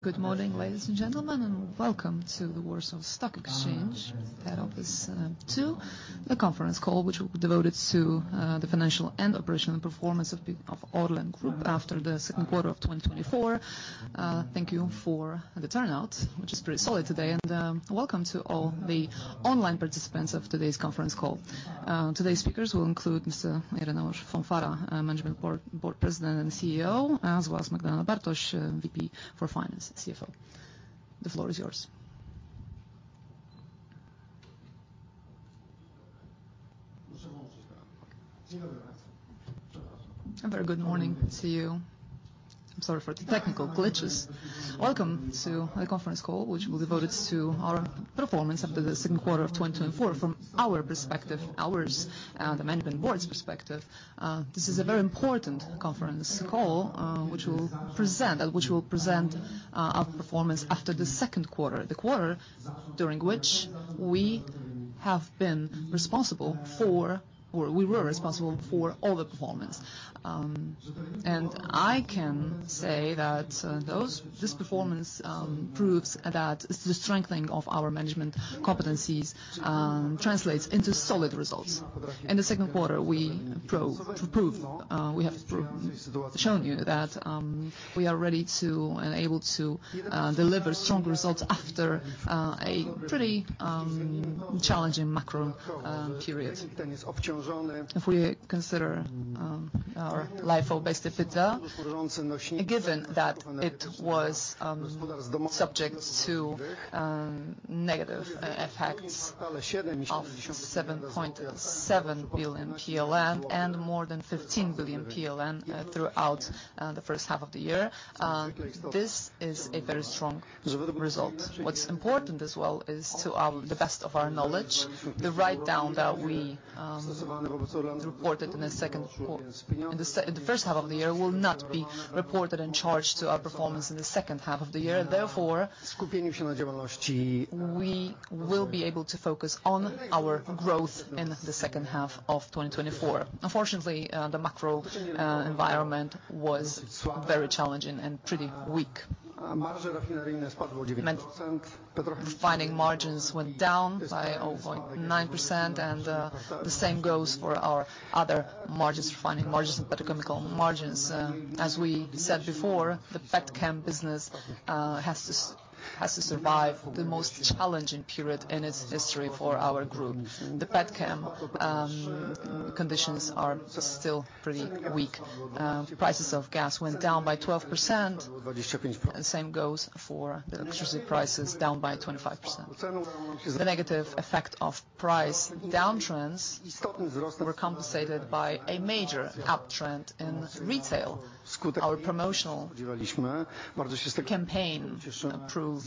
Good morning, ladies and gentlemen, and welcome to the Warsaw Stock Exchange head office too. The conference call, which will be devoted to the financial and operational performance of Orlen Group after the second quarter of twenty twenty-four. Thank you for the turnout, which is pretty solid today, and welcome to all the online participants of today's conference call. Today's speakers will include Mr. Ireneusz Fąfara, Management Board President and CEO, as well as Magdalena Bartoś, VP for Finance and CFO. The floor is yours. A very good morning to you. I'm sorry for the technical glitches. Welcome to the conference call, which will be devoted to our performance after the second quarter of twenty twenty-four. From our perspective, the Management Board's perspective, this is a very important conference call which will present our performance after the second quarter. The quarter during which we have been responsible for, or we were responsible for all the performance. I can say that this performance proves that the strengthening of our management competencies translates into solid results. In the second quarter, we proved we have shown you that we are ready to and able to deliver strong results after a pretty challenging macro period. If we consider our LIFO-based EBITDA, given that it was subject to negative effects of 7.7 billion PLN and more than 15 billion PLN throughout the first half of the year, this is a very strong result. What's important as well is, to the best of our knowledge, the write-down that we reported in the first half of the year will not be reported and charged to our performance in the second half of the year, and therefore, we will be able to focus on our growth in the second half of 2024. Unfortunately, the macro environment was very challenging and pretty weak. Refining margins went down by 0.9%, and the same goes for our other margins, refining margins and petrochemical margins. As we said before, the petchem business has to survive the most challenging period in its history for our group. The petchem conditions are still pretty weak. Prices of gas went down by 12%, and the same goes for the electricity prices, down by 25%. The negative effect of price downtrends were compensated by a major uptrend in retail. Our promotional campaign proved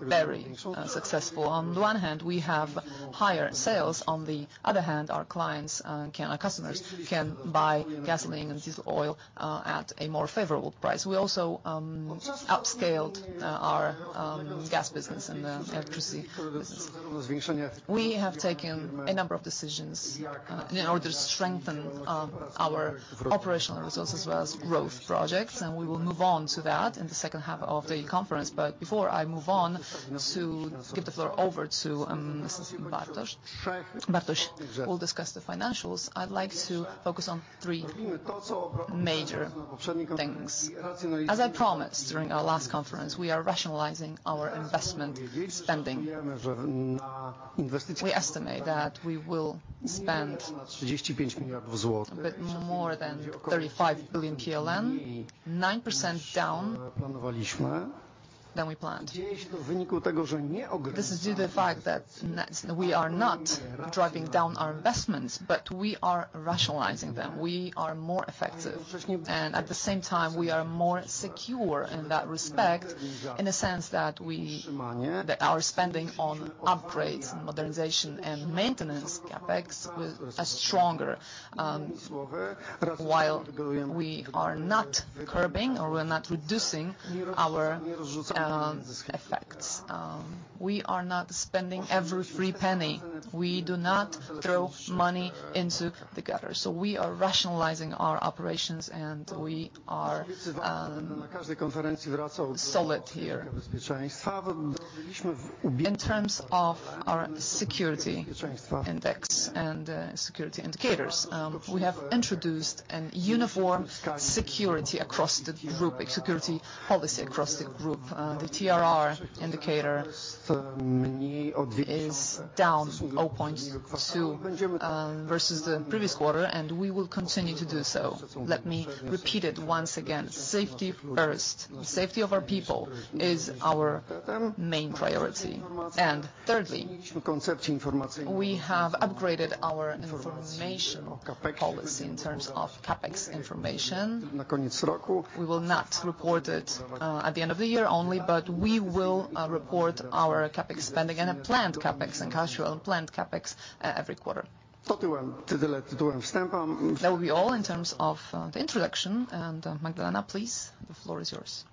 very successful. On the one hand, we have higher sales. On the other hand, our clients and our customers can buy gasoline and diesel oil at a more favorable price. We also upscaled our gas business and the electricity business. We have taken a number of decisions in order to strengthen our operational results as well as growth projects, and we will move on to that in the second half of the conference. But before I move on to give the floor over to Mrs. Bartoś will discuss the financials. I'd like to focus on three major things. As I promised during our last conference, we are rationalizing our investment spending. We estimate that we will spend a bit more than 35 billion PLN, 9% down than we planned. This is due to the fact that we are not driving down our investments, but we are rationalizing them. We are more effective, and at the same time, we are more secure in that respect, in the sense that our spending on upgrades and modernization and maintenance CapEx will results are stronger, while we are not curbing, or we're not reducing our effects. We are not spending every free penny. We do not throw money into the gutter. So we are rationalizing our operations, and we are solid here. In terms of our safety index and safety indicators, we have introduced a uniform safety across the group, a safety policy across the group. The TRR indicator is down 0.2 versus the previous quarter, and we will continue to do so. Let me repeat it once again: safety first. The safety of our people is our main priority. Thirdly, we have upgraded our informational policy in terms of CapEx information. We will not report it at the end of the year only, but we will report our CapEx spending and our planned CapEx and actual planned CapEx every quarter. That will be all in terms of the introduction, and Magdalena, please, the floor is yours.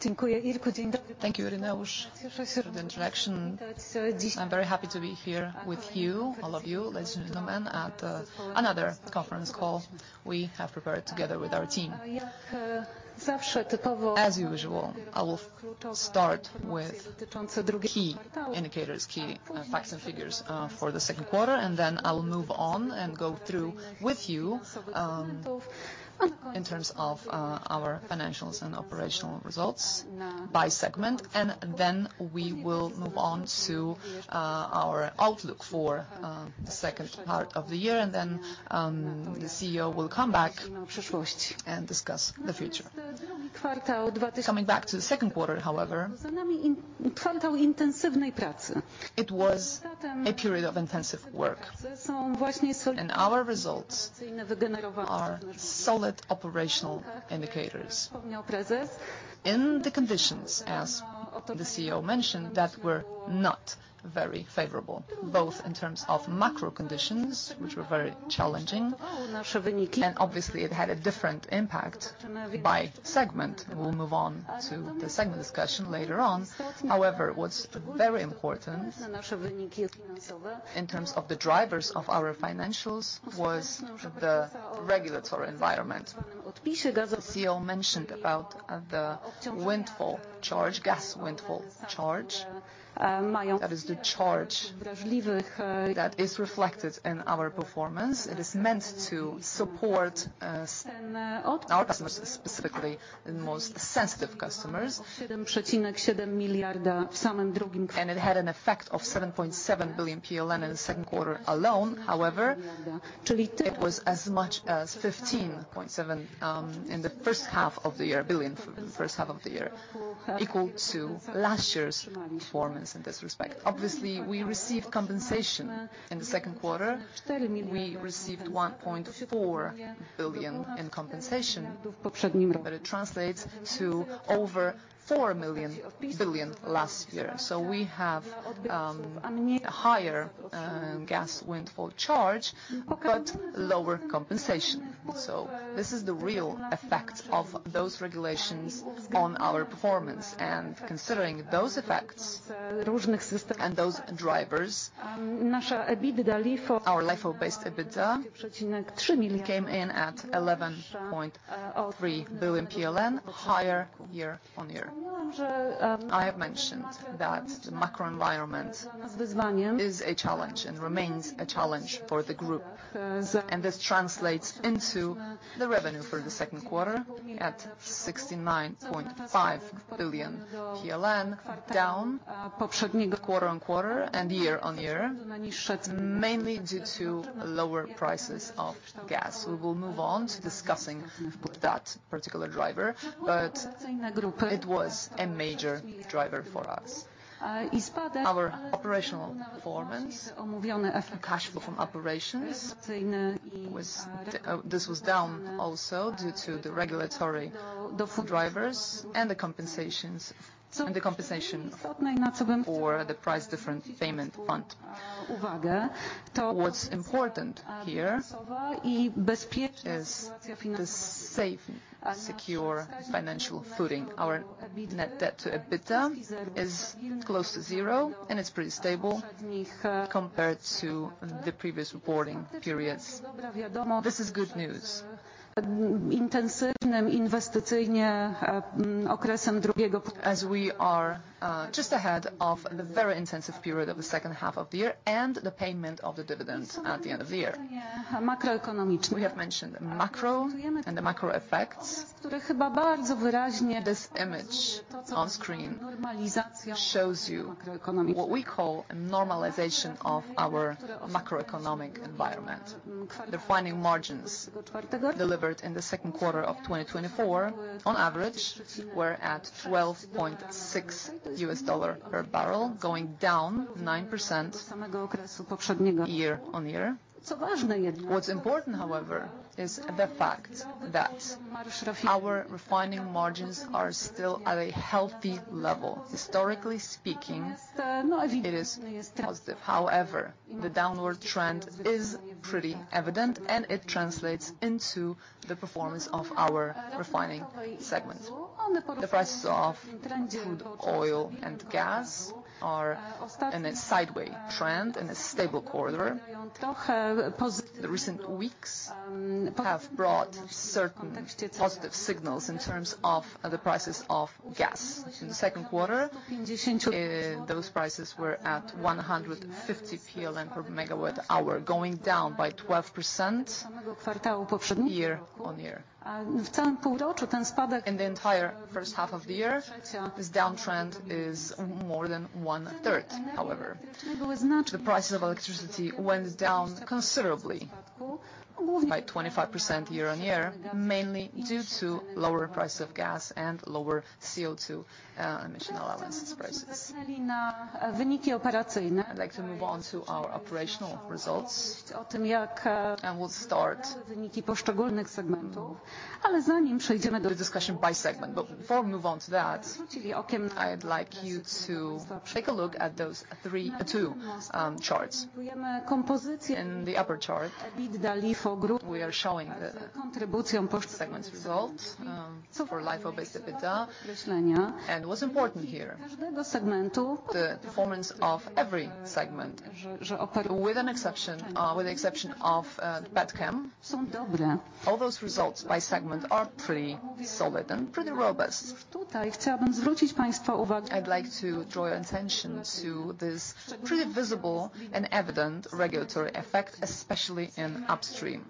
Thank you, Ireneusz, for the introduction. I'm very happy to be here with you, all of you, ladies and gentlemen, at another conference call we have prepared together with our team. As usual, I will start with the key indicators, key facts and figures for the second quarter, and then I will move on and go through with you in terms of our financials and operational results by segment, and then we will move on to our outlook for the second part of the year. And then, the CEO will come back and discuss the future. Coming back to the second quarter, however, it was a period of intensive work, and our results are solid operational indicators. In the conditions, as the CEO mentioned, that were not very favorable, both in terms of macro conditions, which were very challenging, and obviously it had a different impact by segment. We'll move on to the segment discussion later on. However, what's very important in terms of the drivers of our financials was the regulatory environment. The CEO mentioned about the Gas Windfall Charge. That is the charge that is reflected in our performance. It is meant to support our customers, specifically the most sensitive customers. It had an effect of 7.7 billion PLN in the second quarter alone. However, it was as much as 15.7 in the first half of the year, billion, for the first half of the year, equal to last year's performance in this respect. Obviously, we received compensation. In the second quarter, we received 1.4 billion PLN in compensation, but it translates to over four billion PLN last year. So we have a higher Gas Windfall Charge, but lower compensation. So this is the real effect of those regulations on our performance, and considering those effects and those drivers, our EBITDA LIFO, our LIFO-based EBITDA, came in at 11.3 billion PLN, higher year on year. I have mentioned that the macro environment is a challenge and remains a challenge for the group, and this translates into the revenue for the second quarter at 69.5 billion PLN, down quarter on quarter and year on year, mainly due to lower prices of gas. We will move on to discussing that particular driver, but it was a major driver for us. Our operational performance, cash flow from operations was... this was down also due to the regulatory, the full drivers and the compensations, and the compensation for the Price Difference Payment Fund. What's important here is the safe, secure financial footing. Our net debt to EBITDA is close to zero, and it's pretty stable compared to the previous reporting periods. This is good news. As we are just ahead of the very intensive period of the second half of the year and the payment of the dividends at the end of the year. We have mentioned macro and the macro effects. This image on screen shows you what we call a normalization of our macroeconomic environment. The refining margins delivered in the second quarter of 2024 on average were at $12.6 per barrel, going down 9% year on year. What's important, however, is the fact that our refining margins are still at a healthy level. Historically speaking, it is positive. However, the downward trend is pretty evident, and it translates into the performance of our refining segments. The prices of crude oil and gas are in a sideway trend, in a stable corridor. The recent weeks have brought certain positive signals in terms of the prices of gas. In the second quarter, those prices were at one hundred and fifty PLN per megawatt hour, going down by 12% year on year. In the entire first half of the year, this downtrend is more than one-third. However, the prices of electricity went down considerably by 25% year on year, mainly due to lower prices of gas and lower CO2 emission allowance prices. I'd like to move on to our operational results, and we'll start with the discussion by segment. But before we move on to that, I'd like you to take a look at those three, two, charts. In the upper chart, we are showing the segment's results for LIFO-based EBITDA. What's important here, the performance of every segment, with an exception, with the exception of petchem, all those results by segment are pretty solid and pretty robust. I'd like to draw your attention to this pretty visible and evident regulatory effect, especially in upstream.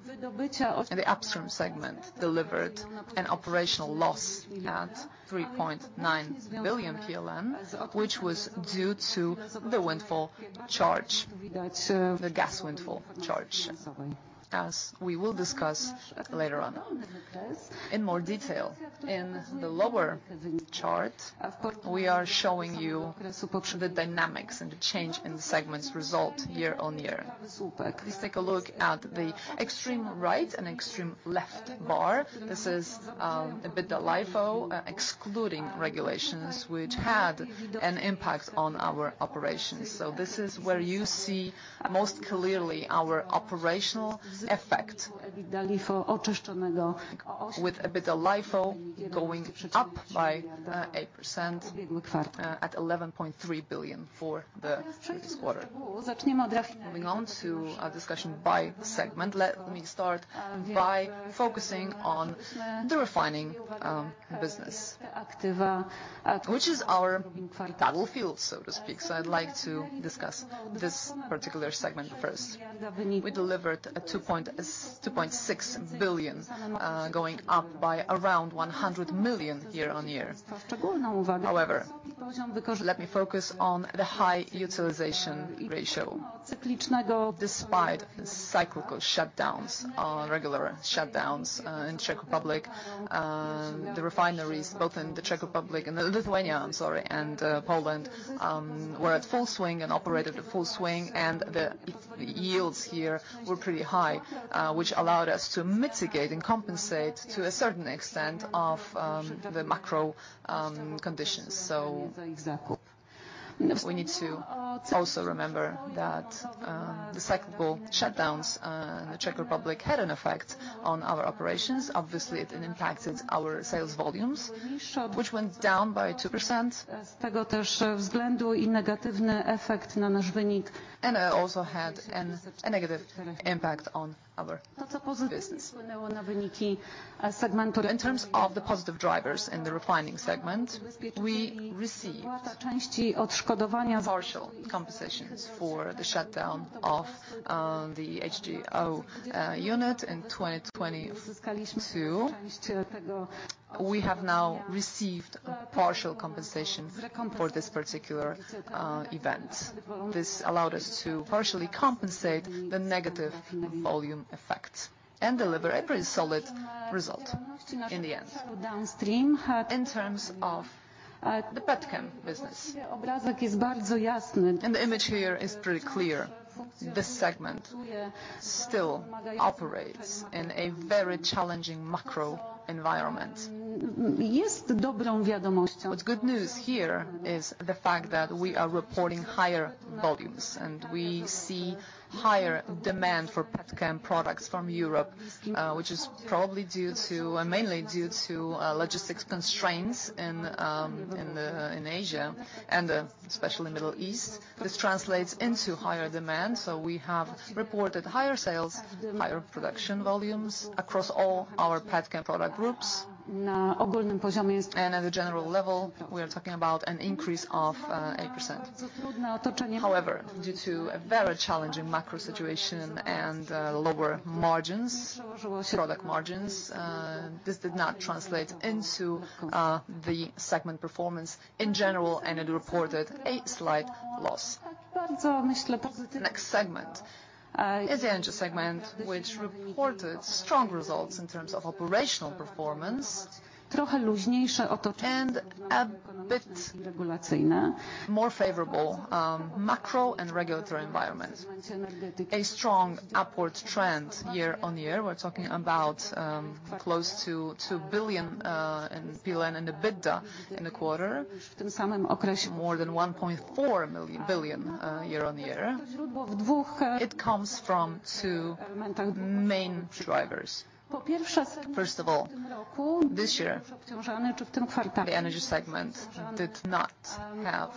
In the upstream segment delivered an operational loss at 3.9 billion PLN, which was due to the Gas Windfall Charge, as we will discuss later on in more detail. In the lower chart, we are showing you the dynamics and the change in the segment's result year on year. Please take a look at the extreme right and extreme left bar, this is EBITDA LIFO, excluding regulations which had an impact on our operations. So this is where you see most clearly our operational effect, with EBITDA LIFO going up by 8%, at 11.3 billion for the previous quarter. Moving on to a discussion by segment, let me start by focusing on the refining business, which is our battlefield, so to speak, so I'd like to discuss this particular segment first. We delivered a 2.6 billion, going up by around 100 million year-on-year. However, let me focus on the high utilization ratio. Despite cyclical shutdowns, regular shutdowns in Czech Republic, the refineries, both in the Czech Republic and Lithuania, I'm sorry, and Poland, were at full swing and operated at full swing, and the yields here were pretty high, which allowed us to mitigate and compensate to a certain extent of the macro conditions. So, we need to also remember that the cyclical shutdowns in the Czech Republic had an effect on our operations. Obviously, it impacted our sales volumes, which went down by 2%, and also had a negative impact on our business. In terms of the positive drivers in the refining segment, we received partial compensations for the shutdown of the HGO unit in 2022. We have now received partial compensation for this particular event. This allowed us to partially compensate the negative volume effects and deliver a pretty solid result in the end. In terms of the petchem business, and the image here is pretty clear, this segment still operates in a very challenging macro environment. What's good news here is the fact that we are reporting higher volumes, and we see higher demand for petchem products from Europe, which is probably due to, mainly due to, logistics constraints in Asia and especially Middle East. This translates into higher demand, so we have reported higher sales, higher production volumes across all our petchem product groups, and at a general level, we are talking about an increase of 8%. However, due to a very challenging macro situation and lower margins, product margins, this did not translate into the segment performance in general, and it reported a slight loss. Next segment is the Energa segment, which reported strong results in terms of operational performance and a bit more favorable macro and regulatory environment. A strong upward trend year-on-year, we're talking about close to 2 billion PLN in EBITDA in the quarter, more than 1.4 billion year on year. It comes from two main drivers. First of all, this year, the Energa segment did not have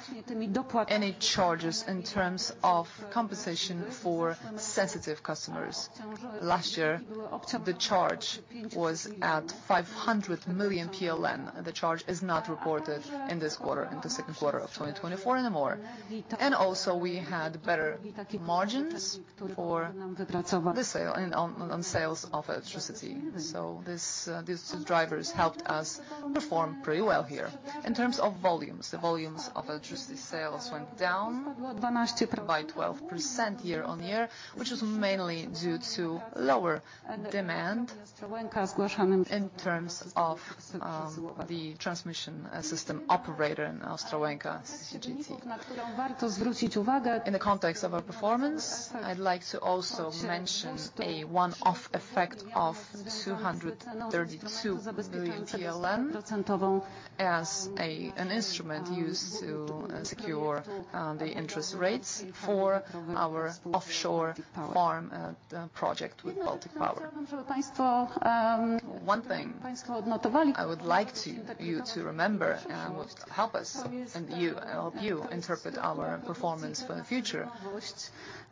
any charges in terms of compensation for sensitive customers. Last year, the charge was at 500 million PLN. The charge is not reported in this quarter, in the second quarter of twenty twenty-four anymore. Also, we had better margins for the sale and on sales of electricity, so this, these two drivers helped us perform pretty well here. In terms of volumes, the volumes of electricity sales went down by 12% year on year, which is mainly due to lower demand in terms of the transmission system operator in Ostrołęka, CCGT. In the context of our performance, I'd like to also mention a one-off effect of 232 million PLN as an instrument used to secure the interest rates for our offshore farm project with Baltic Power. One thing I would like you to remember, and will help us and you interpret our performance for the future,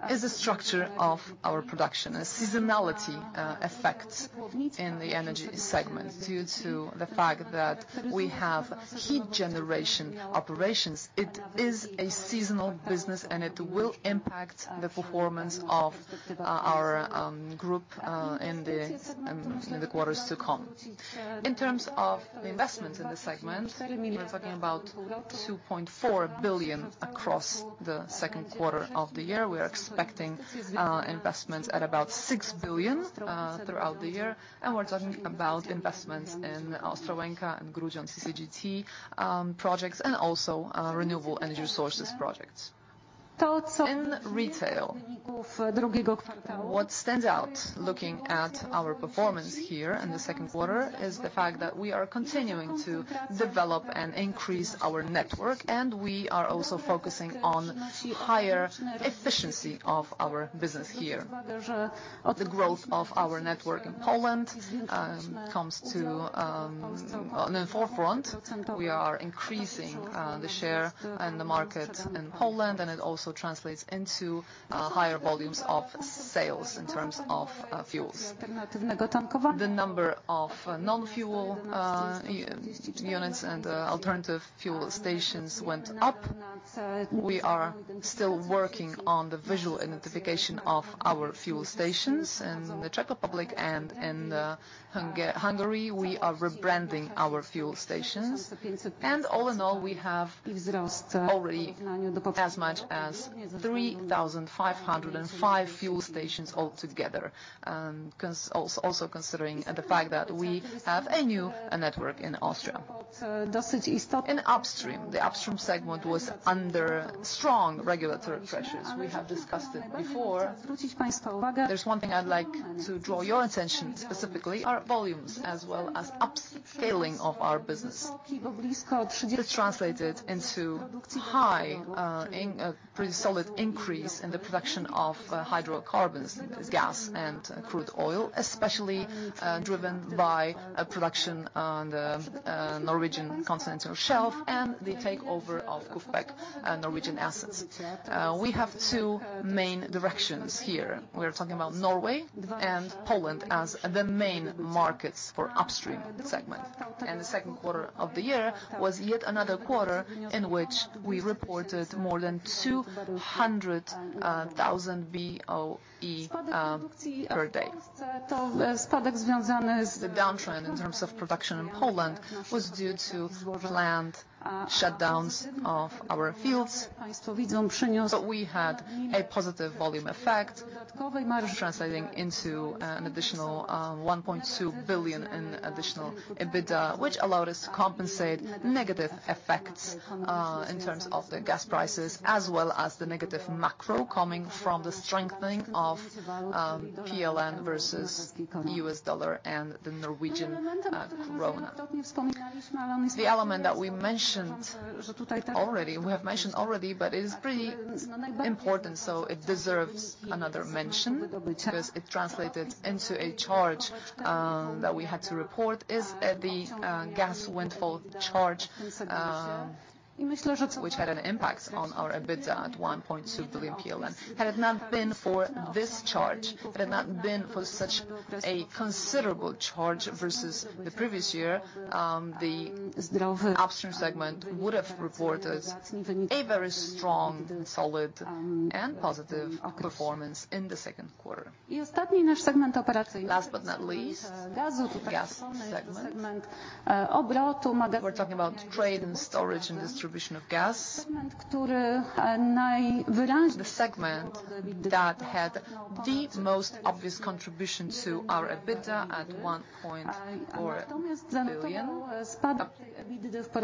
is the structure of our production. A seasonality effect in the Energa segment due to the fact that we have heat generation operations. It is a seasonal business, and it will impact the performance of our group in the quarters to come. In terms of the investments in the segment, we're talking about 2.4 billion across the second quarter of the year. We are expecting investments at about 6 billion throughout the year, and we're talking about investments in Ostrołęka and Grudziądz CCGT projects, and also renewable energy sources projects. In retail, what stands out, looking at our performance here in the second quarter, is the fact that we are continuing to develop and increase our network, and we are also focusing on higher efficiency of our business here. The growth of our network in Poland comes to the forefront. We are increasing the share and the market in Poland, and it also translates into higher volumes of sales in terms of fuels. The number of non-fuel units and alternative fuel stations went up. We are still working on the visual identification of our fuel stations in the Czech Republic and in Hungary. We are rebranding our fuel stations, and all in all, we have already as much as 3,505 fuel stations all together, also considering the fact that we have a new network in Austria. In upstream, the upstream segment was under strong regulatory pressures. We have discussed it before. There's one thing I'd like to draw your attention, specifically, our volumes, as well as upscaling of our business. It is translated into a pretty solid increase in the production of hydrocarbons, gas and crude oil, especially driven by production on the Norwegian Continental Shelf and the takeover of KUFPEC Norwegian assets. We have two main directions here. We are talking about Norway and Poland as the main markets for upstream segment. The second quarter of the year was yet another quarter in which we reported more than 200 thousand BOE per day. The downtrend in terms of production in Poland was due to planned shutdowns of our fields, but we had a positive volume effect, translating into an additional 1.2 billion in additional EBITDA, which allowed us to compensate negative effects in terms of the gas prices, as well as the negative macro coming from the strengthening of PLN versus the US dollar and the Norwegian krone. The element that we mentioned already, but it is pretty important, so it deserves another mention, because it translated into a charge that we had to report, is the Gas Windfall Charge, which had an impact on our EBITDA at 1.2 billion PLN. Had it not been for this charge, had it not been for such a considerable charge versus the previous year, the upstream segment would have reported a very strong, solid, and positive performance in the second quarter. Last but not least, gas segment. We're talking about trade and storage and distribution of gas. The segment that had the most obvious contribution to our EBITDA at 1.4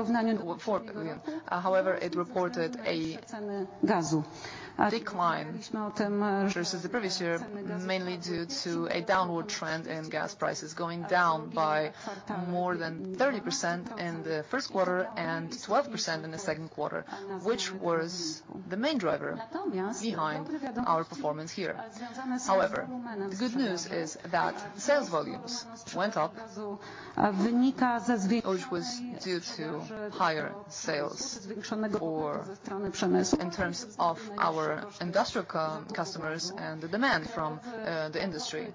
billion, 4 billion. However, it reported a decline versus the previous year, mainly due to a downward trend in gas prices, going down by more than 30% in the first quarter and 12% in the second quarter, which was the main driver behind our performance here. However, the good news is that sales volumes went up, which was due to higher sales for... In terms of our industrial customers and the demand from, the industry.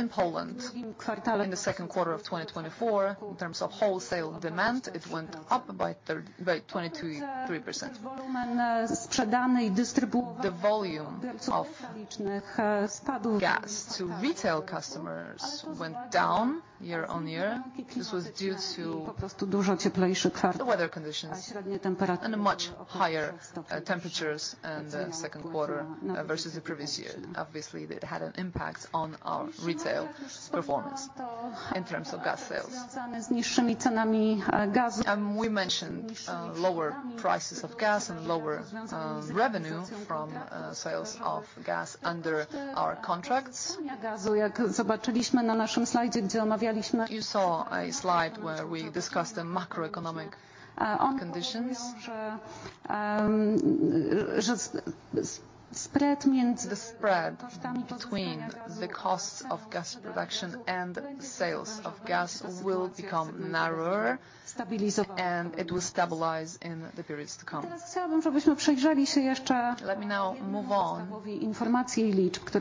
In Poland, in the second quarter of twenty twenty-four, in terms of wholesale demand, it went up by 22.3%. The volume of gas to retail customers went down year on year. This was due to the weather conditions and a much higher temperatures in the second quarter versus the previous year. Obviously, it had an impact on our retail performance in terms of gas sales. We mentioned lower prices of gas and lower revenue from sales of gas under our contracts. You saw a slide where we discussed the macroeconomic conditions. The spread between the costs of gas production and sales of gas will become narrower, and it will stabilize in the periods to come. Let me now move on to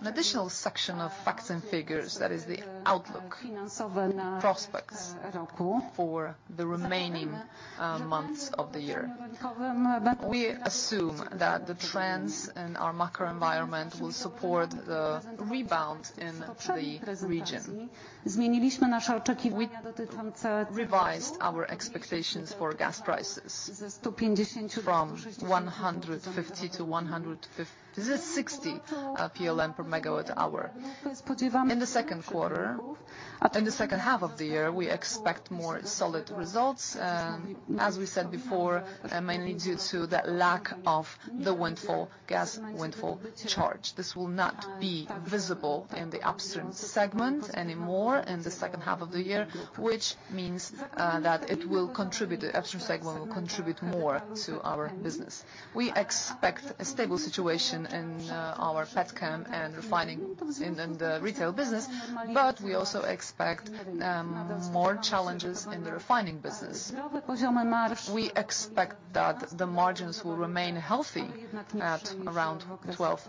an additional section of facts and figures, that is the outlook, prospects for the remaining months of the year. We assume that the trends in our macro environment will support the rebound in the region. We revised our expectations for gas prices from 150-160 PLN per megawatt hour. In the second half of the year, we expect more solid results, as we said before, mainly due to that lack of the Gas Windfall Charge. This will not be visible in the upstream segment anymore in the second half of the year, which means that it will contribute, the upstream segment will contribute more to our business. We expect a stable situation in our petchem and refining in the retail business, but we also expect more challenges in the refining business. We expect that the margins will remain healthy at around $12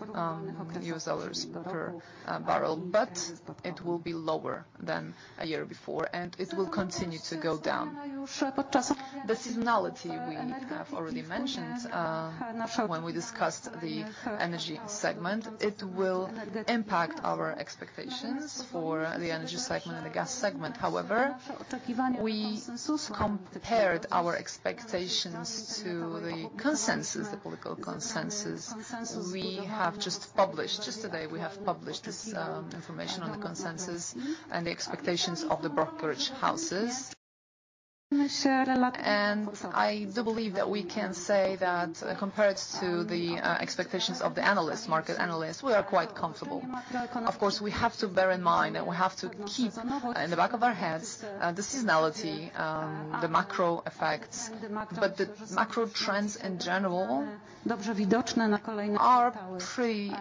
per barrel, but it will be lower than a year before, and it will continue to go down. The seasonality we have already mentioned when we discussed the Energa segment, it will impact our expectations for the Energa segment and the gas segment. However, we compared our expectations to the consensus, the analysts consensus, we have just published. Just today, we have published this information on the consensus and the expectations of the brokerage houses. I do believe that we can say that compared to the expectations of the analysts, market analysts, we are quite comfortable. Of course, we have to bear in mind, and we have to keep in the back of our heads, the seasonality, the macro effects, but the macro trends in general are pretty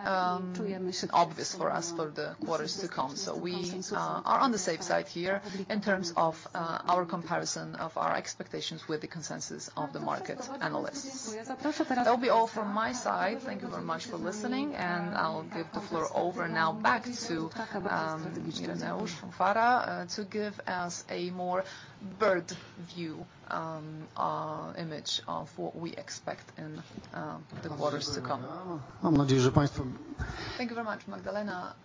obvious for us for the quarters to come. So we are on the safe side here in terms of our comparison of our expectations with the consensus of the market analysts. That will be all from my side. Thank you very much for listening, and I'll give the floor over now back to Ireneusz Fąfara to give us a more bird's-eye view image of what we expect in the quarters to come. Thank you very much, Magdalena.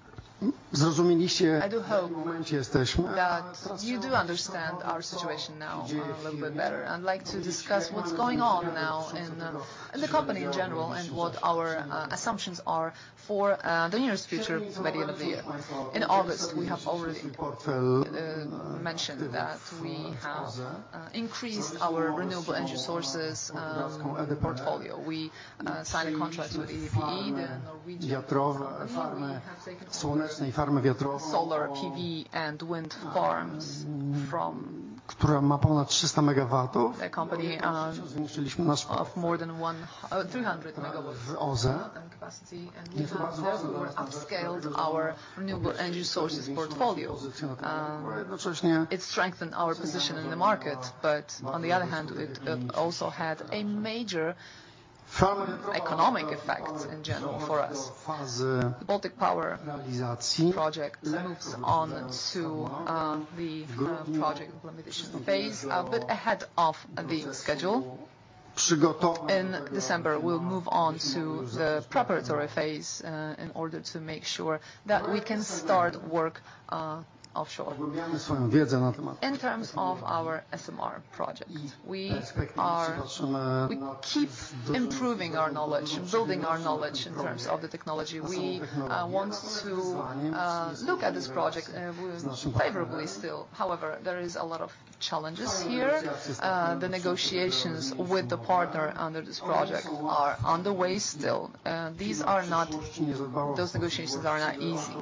I do hope that you do understand our situation now a little bit better. I'd like to discuss what's going on now in the company in general, and what our assumptions are for the nearest future for the end of the year. In August, we have already mentioned that we have increased our renewable energy sources at the portfolio. We signed a contract with EDP, solar, PV, and wind farms from a company of more than 1,300 megawatts capacity, and we have therefore upscaled our renewable energy sources portfolio. It strengthened our position in the market, but on the other hand, it also had a major economic effect in general for us. Baltic Power Project moves on to the project implementation phase but ahead of the schedule. In December, we'll move on to the preparatory phase, in order to make sure that we can start work, offshore. In terms of our SMR project, we keep improving our knowledge and building our knowledge in terms of the technology. We want to look at this project favorably still. However, there is a lot of challenges here. The negotiations with the partner under this project are on the way still. Those negotiations are not easy.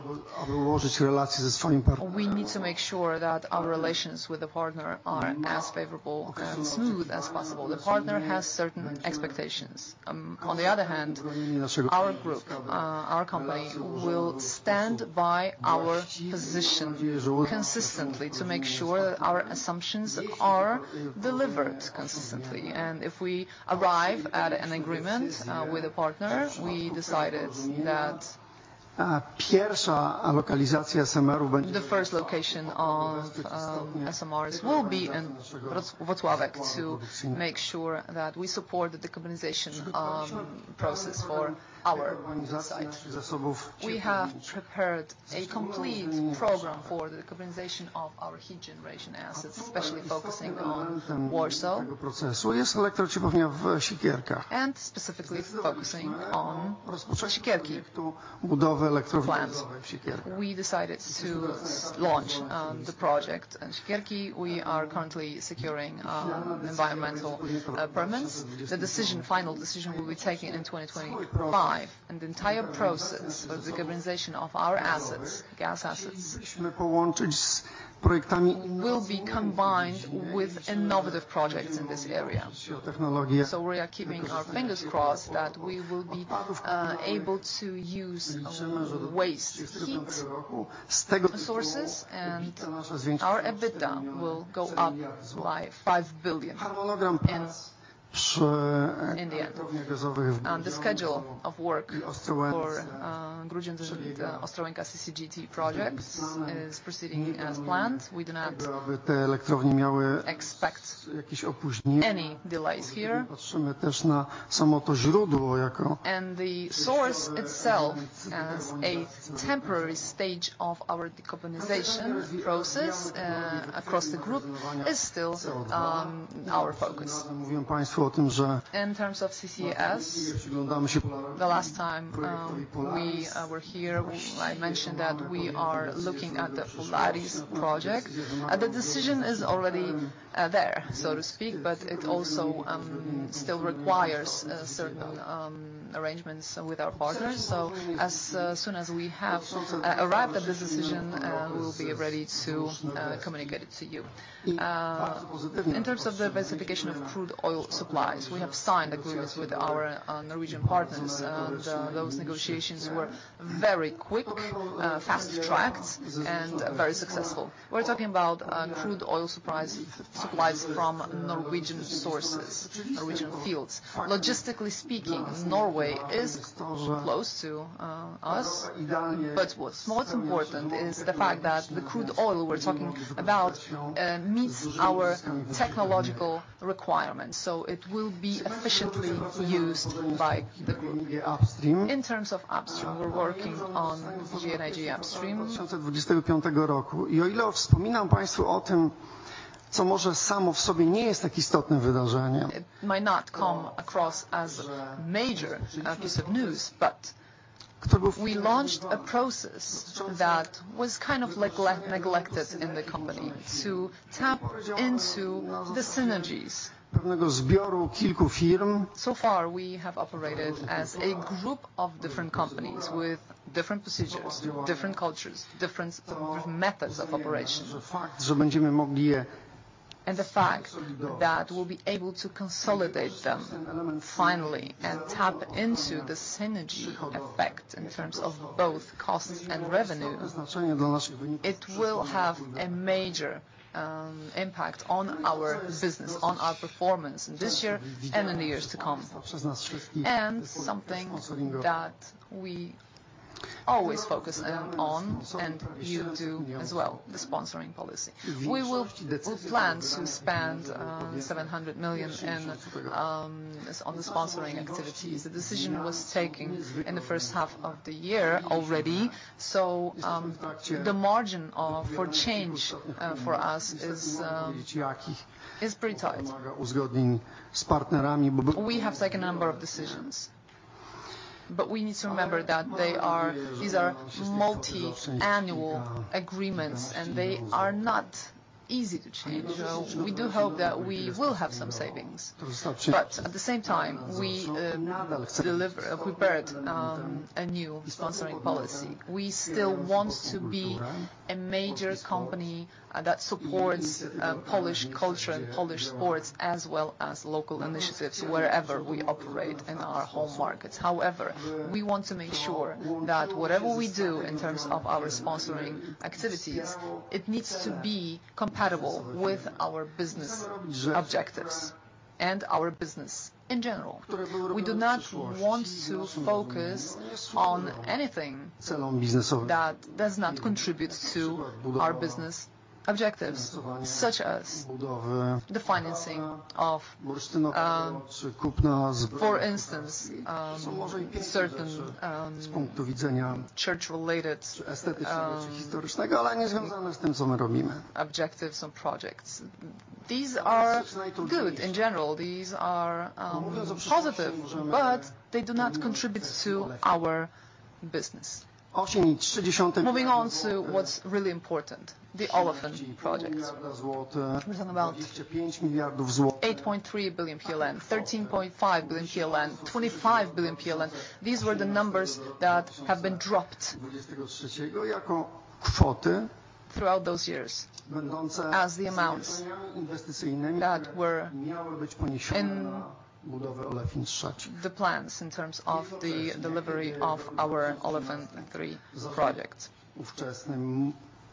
We need to make sure that our relations with the partner are as favorable and smooth as possible. The partner has certain expectations. On the other hand, our group, our company, will stand by our position consistently to make sure that our assumptions are delivered consistently. And if we arrive at an agreement with a partner, we decided that the first location of SMRs will be in Wrocław, to make sure that we support the decarbonization process for our onsite. We have prepared a complete program for the decarbonization of our heat generation assets, especially focusing on Warsaw, and specifically focusing on Siekierki plant. We decided to launch the project in Siekierki. We are currently securing environmental permits. The decision, final decision, will be taken in 2025, and the entire process of decarbonization of our assets, gas assets, will be combined with innovative projects in this area. So we are keeping our fingers crossed that we will be able to use waste heat sources, and our EBITDA will go up by 5 billion, and... in the end. The schedule of work for Grudziądz and Ostrołęka CCGT projects is proceeding as planned. We do not expect any delays here. The source itself as a temporary stage of our decarbonization process across the group is still our focus. In terms of CCS, the last time we were here, I mentioned that we are looking at the Polaris project, and the decision is already there, so to speak, but it also still requires certain arrangements with our partners. As soon as we have arrived at this decision, we'll be ready to communicate it to you. In terms of the diversification of crude oil supplies, we have signed agreements with our Norwegian partners, and those negotiations were very quick, fast-tracked, and very successful. We're talking about crude oil supplies, supplies from Norwegian sources, Norwegian fields. Logistically speaking, Norway is close to us, but what's most important is the fact that the crude oil we're talking about meets our technological requirements, so it will be efficiently used by the group. In terms of upstream, we're working on PGNiG Upstream. It might not come across as a major piece of news, but we launched a process that was kind of neglected in the company to tap into the synergies. So far, we have operated as a group of different companies with different procedures, different cultures, different methods of operation. And the fact that we'll be able to consolidate them finally and tap into the synergy effect in terms of both costs and revenue, it will have a major impact on our business, on our performance this year and in the years to come. And something that we always focus on, and you do as well, the sponsoring policy. We will plan to spend 700 million on the sponsoring activities. The decision was taken in the first half of the year already, so the margin for change for us is pretty tight. We have taken a number of decisions, but we need to remember that these are multi-annual agreements, and they are not easy to change. We do hope that we will have some savings, but at the same time, we prepared a new sponsoring policy. We still want to be a major company that supports Polish culture and Polish sports, as well as local initiatives wherever we operate in our home markets. However, we want to make sure that whatever we do in terms of our sponsoring activities, it needs to be compatible with our business objectives and our business in general. We do not want to focus on anything that does not contribute to our business objectives, such as the financing of, for instance, certain church-related objectives and projects. These are good in general. These are positive, but they do not contribute to our business. Moving on to what's really important, the Olefin projects. We're talking about 8.3 billion PLN, 13.5 billion PLN, 25 billion PLN. These were the numbers that have been dropped throughout those years, as the amounts that were in the plans in terms of the delivery of our Olefins III project.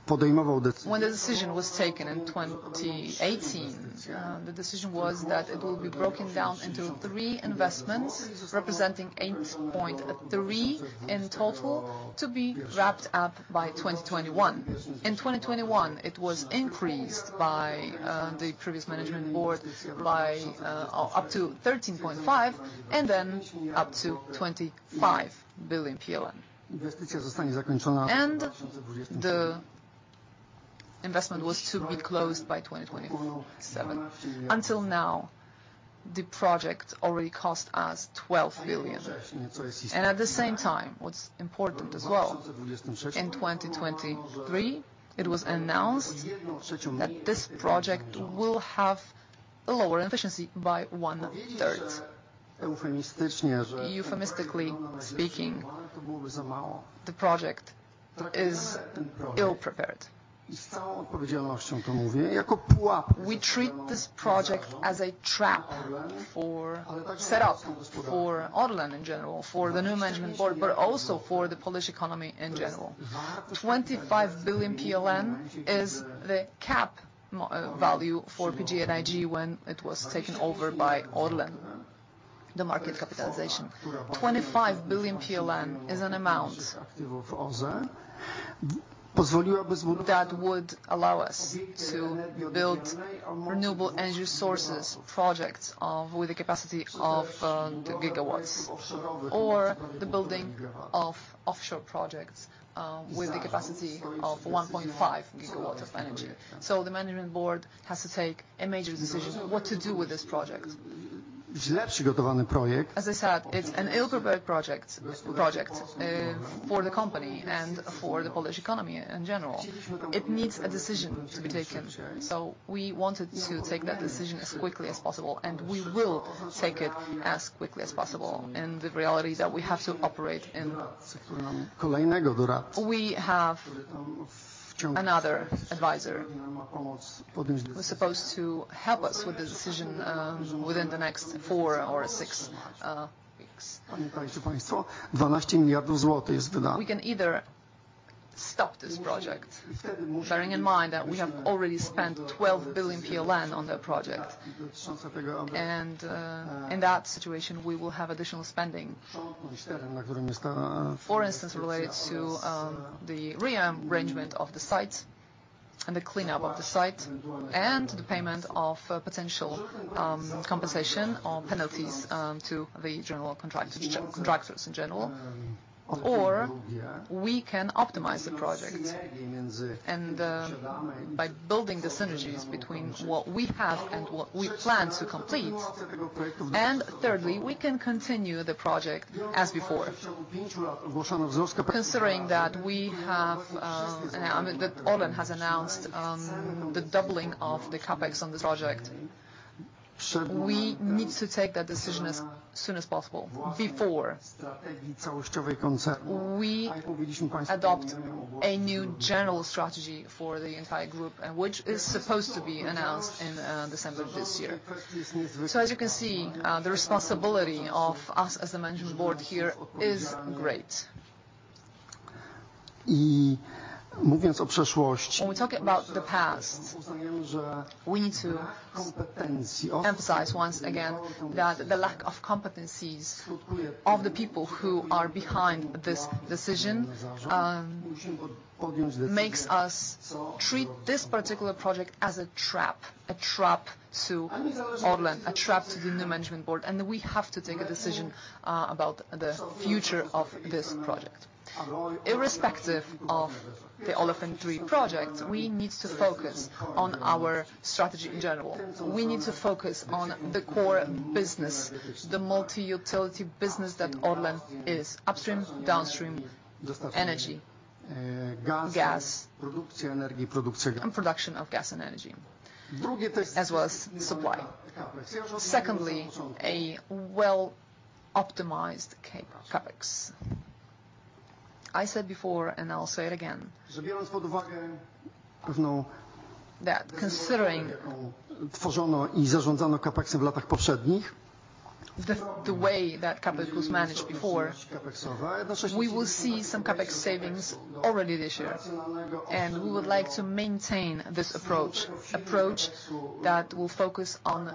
When the decision was taken in 2018, the decision was that it will be broken down into three investments, representing 8.3 in total, to be wrapped up by 2021. In 2021, it was increased by the previous management board by up to 13.5, and then up to 25 billion PLN. And the investment was to be closed by 2027. Until now, the project already cost us 12 billion. And at the same time, what's important as well, in 2023, it was announced that this project will have a lower efficiency by one-third. Euphemistically speaking, the project is ill-prepared. We treat this project as a trap for, setup for Orlen in general, for the new management board, but also for the Polish economy in general. 25 billion PLN is the value for PGNiG when it was taken over by Orlen... the market capitalization. 25 billion PLN is an amount that would allow us to build renewable energy sources, projects of, with a capacity of, two gigawatts, or the building of offshore projects, with the capacity of 1.5 gigawatts of energy. So the management board has to take a major decision, what to do with this project? As I said, it's an ill-prepared project for the company and for the Polish economy in general. It needs a decision to be taken, so we wanted to take that decision as quickly as possible, and we will take it as quickly as possible, in the reality that we have to operate in. We have another advisor who is supposed to help us with the decision, within the next four or six weeks. We can either stop this project, bearing in mind that we have already spent 12 billion PLN on the project, and, in that situation, we will have additional spending. For instance, relates to, the rearrangement of the site and the cleanup of the site, and the payment of potential, compensation or penalties, to the general contractors, contractors in general. Or we can optimize the project, and, by building the synergies between what we have and what we plan to complete. Thirdly, we can continue the project as before. Considering that we have, I mean, that Orlen has announced, the doubling of the CapEx on the project, we need to take that decision as soon as possible, before we adopt a new general strategy for the entire group, and which is supposed to be announced in December of this year. As you can see, the responsibility of us as a management board here is great. When we talk about the past, we need to emphasize once again that the lack of competencies of the people who are behind this decision, makes us treat this particular project as a trap, a trap to Orlen, a trap to the new management board, and we have to take a decision, about the future of this project. Irrespective of the Olefins III project, we need to focus on our strategy in general. We need to focus on the core business, the multi-utility business that Orlen is, upstream, downstream, energy, gas, and production of gas and energy, as well as supply. Secondly, a well-optimized CapEx. I said before, and I'll say it again, that considering the way that CapEx was managed before, we will see some CapEx savings already this year, and we would like to maintain this approach that will focus on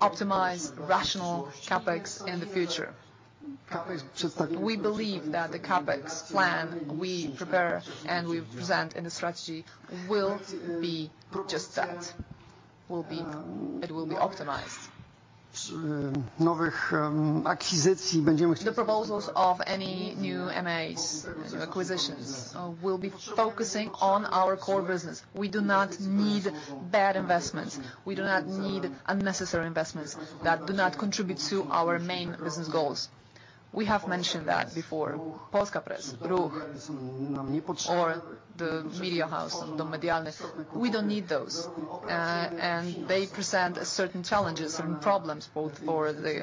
optimized, rational CapEx in the future. We believe that the CapEx plan we prepare and we present in the strategy will be just that. It will be optimized. The proposals of any new M&As, acquisitions, will be focusing on our core business. We do not need bad investments. We do not need unnecessary investments that do not contribute to our main business goals. We have mentioned that before, Polska Press, Ruch, or the media house, Dom Medialny; we don't need those. and they present certain challenges and problems, both for the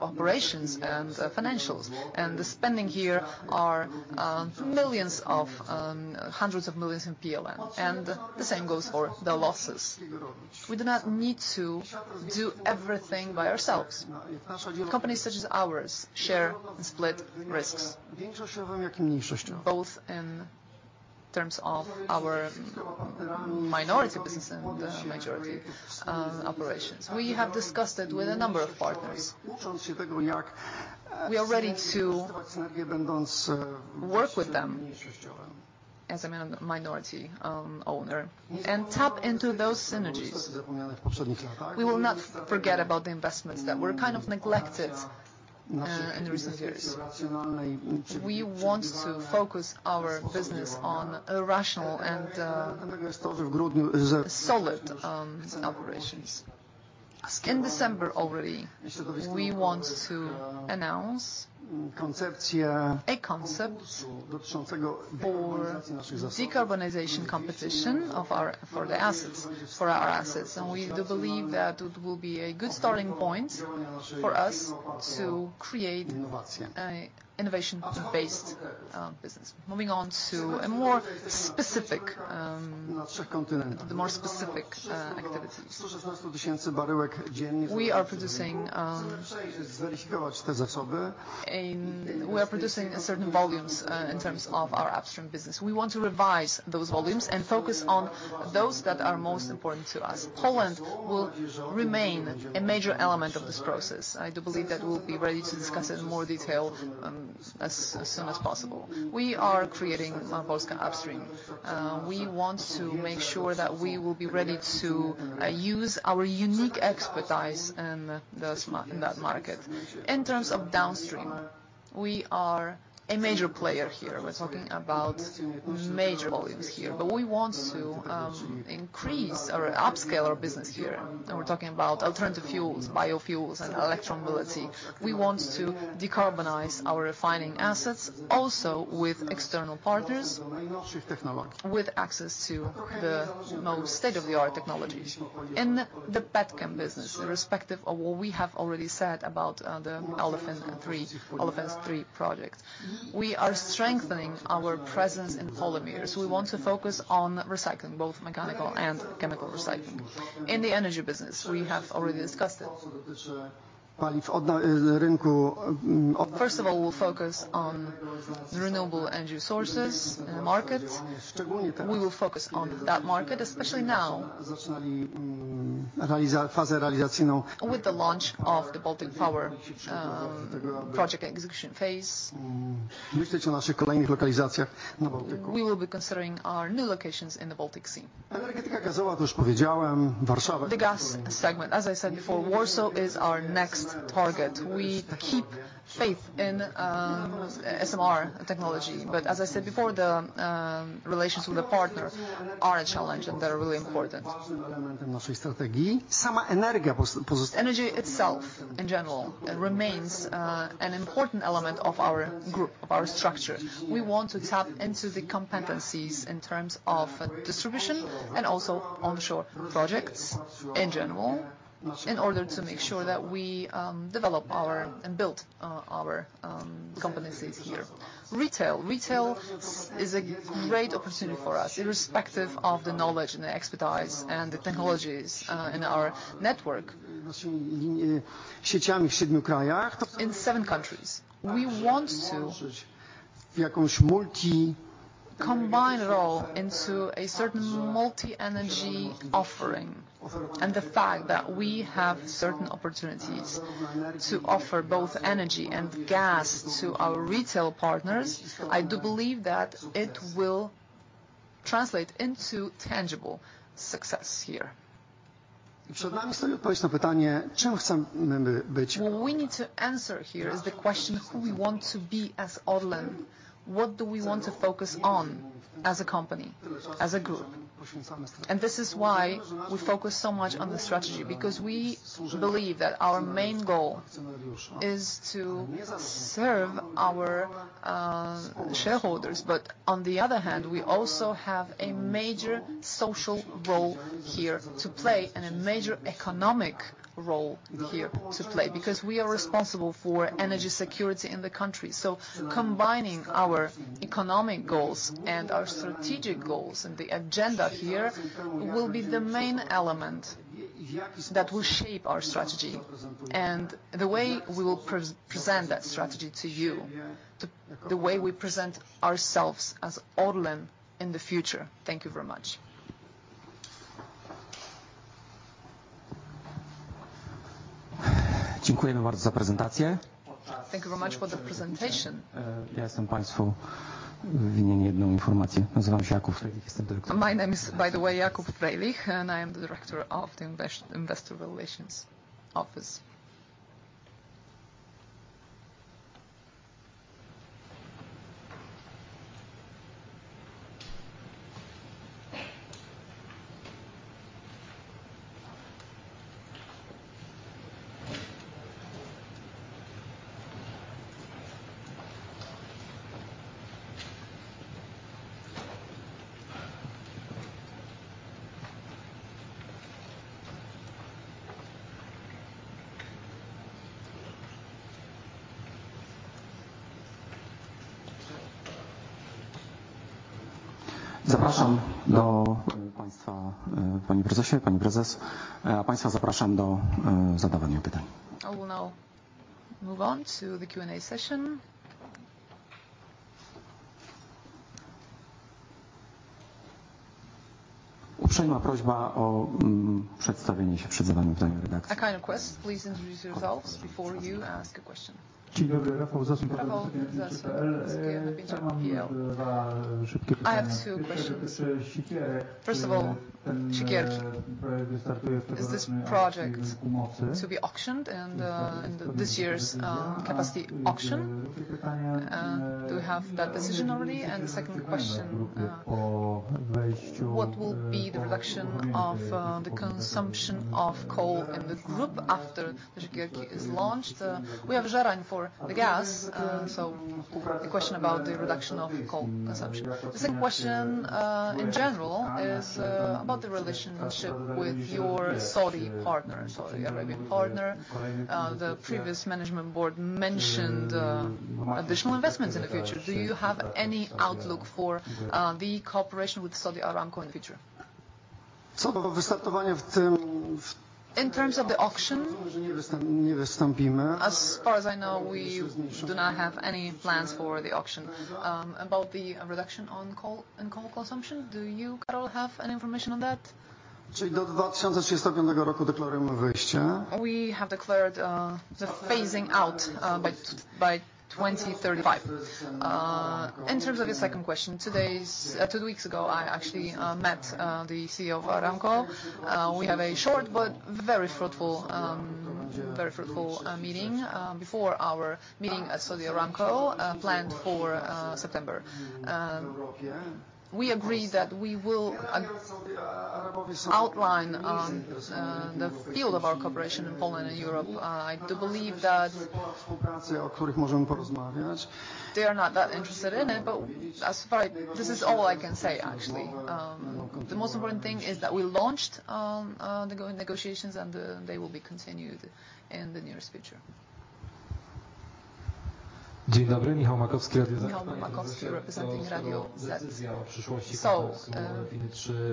operations and financials, and the spending here are millions of hundreds of millions PLN, and the same goes for the losses. We do not need to do everything by ourselves. Companies such as ours share and split risks, both in terms of our minority business and majority operations. We have discussed it with a number of partners. We are ready to work with them as a minority owner, and tap into those synergies. We will not forget about the investments that were kind of neglected in recent years. We want to focus our business on a rational and solid operations. In December already, we want to announce a concept for decarbonization competition of our assets, and we do believe that it will be a good starting point for us to create a innovation-based business. Moving on to the more specific activities. We are producing certain volumes in terms of our upstream business. We want to revise those volumes and focus on those that are most important to us. Poland will remain a major element of this process. I do believe that we'll be ready to discuss it in more detail as soon as possible. We are creating Polska Upstream. We want to make sure that we will be ready to use our unique expertise in that market. In terms of downstream, we are a major player here. We're talking about major volumes here, but we want to increase or upscale our business here. And we're talking about alternative fuels, biofuels, and electromobility. We want to decarbonize our refining assets, also with external partners, with access to the most state-of-the-art technologies. In the petchem business, irrespective of what we have already said about the Olefins III project, we are strengthening our presence in polymers. We want to focus on recycling, both mechanical and chemical recycling. In the energy business, we have already discussed it. First of all, we'll focus on the renewable energy sources in the markets. We will focus on that market, especially now, with the launch of the Baltic Power project execution phase. We will be considering our new locations in the Baltic Sea. The gas segment, as I said before, Warsaw is our next target. We keep faith in SMR technology, but as I said before, the relations with the partner are a challenge, and they're really important. Energa itself, in general, remains an important element of our group, of our structure. We want to tap into the competencies in terms of distribution and also onshore projects, in general, in order to make sure that we develop our and build our competencies here. Retail. Retail is a great opportunity for us, irrespective of the knowledge and the expertise and the technologies in our network in seven countries. We want to combine it all into a certain multi-energy offering, and the fact that we have certain opportunities to offer both energy and gas to our retail partners, I do believe that it will translate into tangible success here. What we need to answer here is the question of who we want to be as Orlen. What do we want to focus on as a company, as a group? And this is why we focus so much on the strategy, because we believe that our main goal is to serve our shareholders. But on the other hand, we also have a major social role here to play and a major economic role here to play, because we are responsible for energy security in the country. So combining our economic goals and our strategic goals and the agenda here, will be the main element that will shape our strategy. The way we will present that strategy to you, the way we present ourselves as Orlen in the future. Thank you very much. Thank you very much for the presentation. My name is, by the way, Jakub Frejlich, and I am the Director of the Investor Relations Office. I will now move on to the Q&A session. A kind request, please introduce yourselves before you ask a question. I have two questions. First of all, Siekierki. Is this project to be auctioned in this year's capacity auction? Do we have that decision already? And the second question, what will be the reduction of the consumption of coal in the group after Siekierki is launched? We have Żerań for the gas, so the question about the reduction of coal consumption. The second question, in general, is about the relationship with your Saudi partner, Saudi Arabian partner. The previous management board mentioned additional investments in the future. Do you have any outlook for the cooperation with Saudi Aramco in the future? In terms of the auction, as far as I know, we do not have any plans for the auction. About the reduction on coal and coal consumption, do you, Karol, have any information on that? We have declared the phasing out by twenty thirty-five. In terms of your second question, two weeks ago, I actually met the CEO of Aramco. We have a short, but very fruitful meeting before our meeting at Saudi Aramco planned for September. We agreed that we will outline the field of our cooperation in Poland and Europe. I do believe that they are not that interested in it, but as far... This is all I can say, actually. The most important thing is that we launched the ongoing negotiations, and they will be continued in the nearest future. Michał Makowski, representing Radio ZET.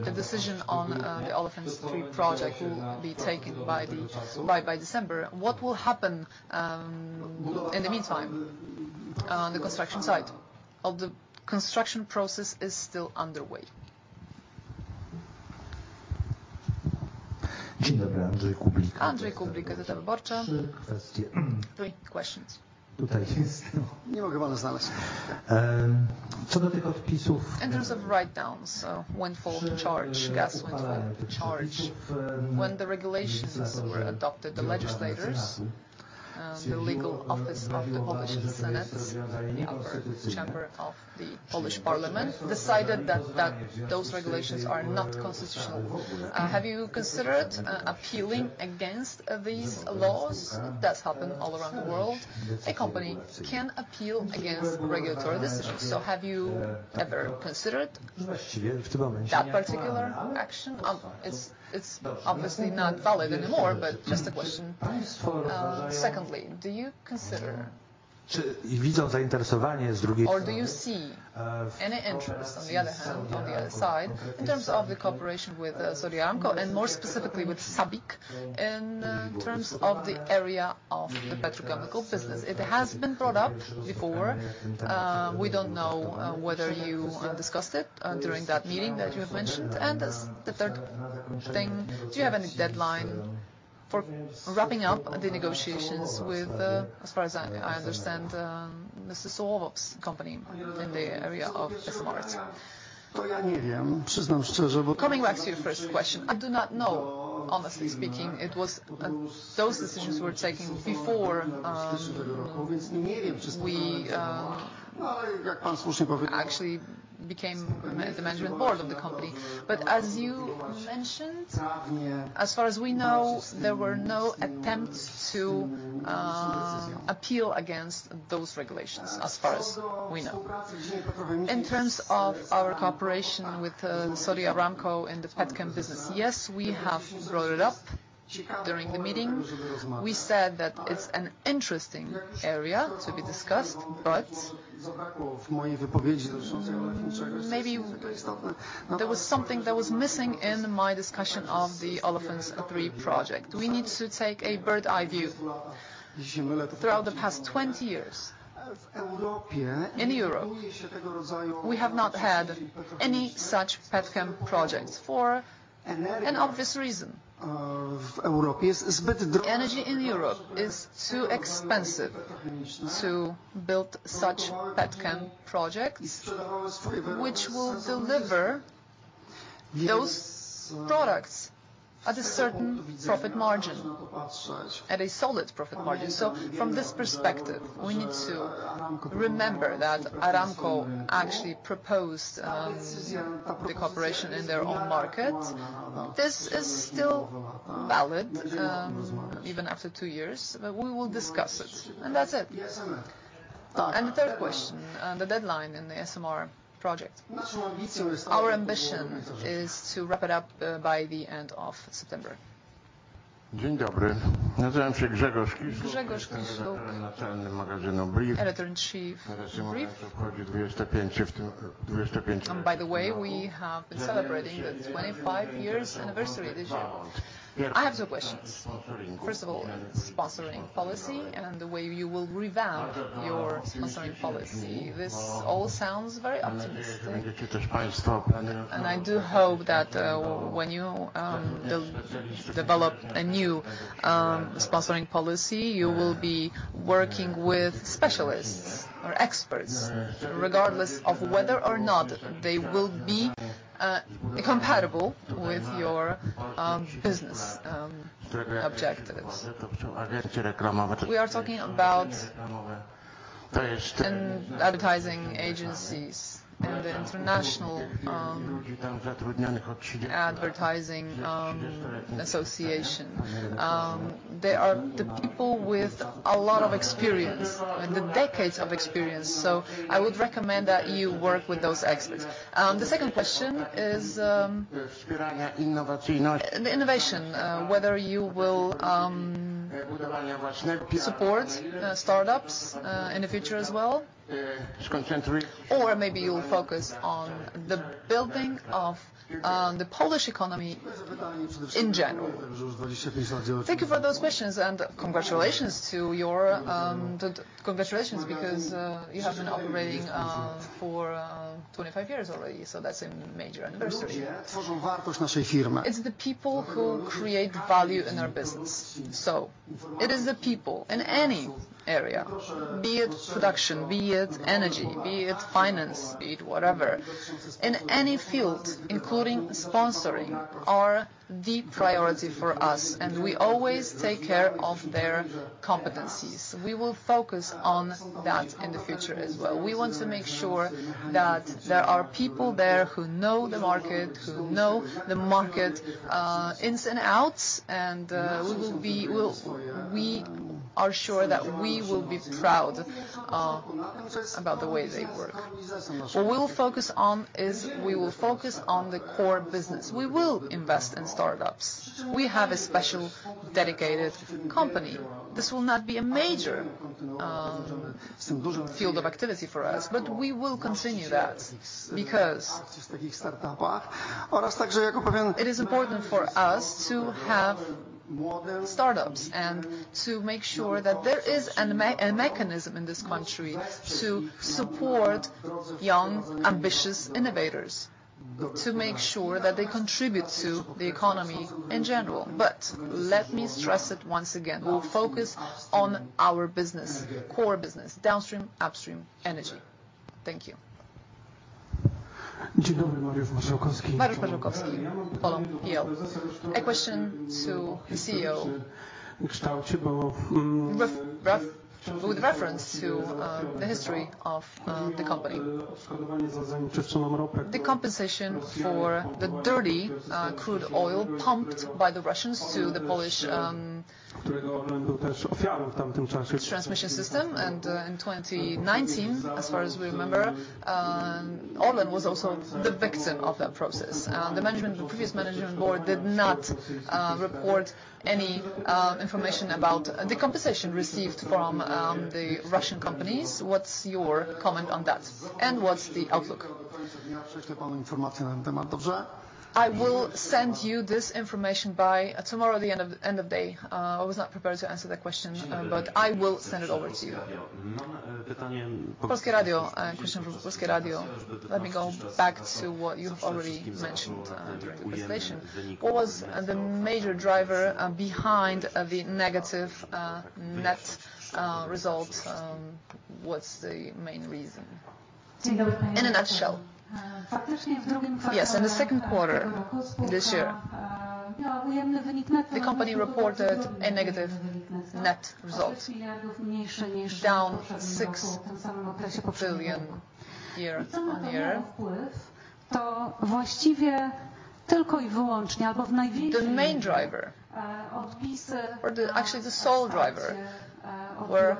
The decision on the Olefins III project will be taken by December. What will happen in the meantime, on the construction site? Of the construction process is still underway. Andrzej Kublik, Gazeta Wyborcza. Three questions. In terms of write-downs, so Gas Windfall Charge. When the regulations were adopted, the legislators, the legal office of the Polish Senate, the upper chamber of the Polish Parliament, decided that those regulations are not constitutional. Have you considered appealing against these laws? That's happened all around the world. A company can appeal against regulatory decisions, so have you ever considered that particular action? It's obviously not valid anymore, but just a question. Secondly, do you consider or do you see any interest on the other hand, on the other side, in terms of the cooperation with Saudi Aramco, and more specifically with SABIC, in terms of the area of the petrochemical business? It has been brought up before. We don't know whether you discussed it during that meeting that you have mentioned. And as the third thing, do you have any deadline for wrapping up the negotiations with, as far as I understand, Mr. Sołowow's company in the area of SMRs? Coming back to your first question, I do not know, honestly speaking, it was those decisions were taken before we actually became the management board of the company. But as you mentioned, as far as we know, there were no attempts to appeal against those regulations, as far as we know. In terms of our cooperation with Saudi Aramco and the petchem business, yes, we have brought it up during the meeting. We said that it's an interesting area to be discussed, but maybe there was something that was missing in my discussion of the Olefins III project. We need to take a bird's-eye view. Throughout the past twenty years, in Europe, we have not had any such petchem projects for an obvious reason. The energy in Europe is too expensive to build such petchem projects, which will deliver those products at a certain profit margin, at a solid profit margin. So from this perspective, we need to remember that Aramco actually proposed the cooperation in their own market. This is still valid, even after two years, but we will discuss it, and that's it. The third question, the deadline in the SMR project. Our ambition is to wrap it up by the end of September. Grzegorz Kiszluk, editor-in-chief, Brief. By the way, we have been celebrating the 25 years anniversary this year. I have two questions. First of all, sponsoring policy and the way you will revamp your sponsoring policy. This all sounds very optimistic and I do hope that, when you develop a new sponsoring policy, you will be working with specialists or experts, regardless of whether or not they will be compatible with your business objectives. We are talking about advertising agencies in the International Advertising Association. They are the people with a lot of experience, the decades of experience, so I would recommend that you work with those experts. The second question is the innovation, whether you will support startups in the future as well? Or maybe you will focus on the building of the Polish economy in general. Thank you for those questions, and congratulations, because you have been operating for twenty-five years already, so that's a major anniversary. It's the people who create value in our business. So it is the people in any area, be it production, be it energy, be it finance, be it whatever. In any field, including sponsoring, are the priority for us, and we always take care of their competencies. We will focus on that in the future as well. We want to make sure that there are people there who know the market ins and outs, and we will be. We are sure that we will be proud about the way they work. What we'll focus on is we will focus on the core business. We will invest in startups. We have a special dedicated company. This will not be a major field of activity for us, but we will continue that, because it is important for us to have startups and to make sure that there is a mechanism in this country to support young, ambitious innovators, to make sure that they contribute to the economy in general. But let me stress it once again, we'll focus on our business, core business, downstream, upstream energy. Thank you. A question to the CEO. With reference to the history of the company, the compensation for the dirty crude oil pumped by the Russians to the Polish transmission system, and in 2019, as far as we remember, Orlen was also the victim of that process. The previous management board did not report any information about the compensation received from the Russian companies. What's your comment on that, and what's the outlook? I will send you this information by tomorrow, the end of day. I was not prepared to answer that question, but I will send it over to you. Polskie Radio, question from Polskie Radio. Let me go back to what you've already mentioned during the presentation. What was the major driver behind the negative net results? What's the main reason? In a nutshell. Yes, in the second quarter this year, the company reported a negative net result, down 6 billion year on year. The main driver, or the... Actually, the sole driver, were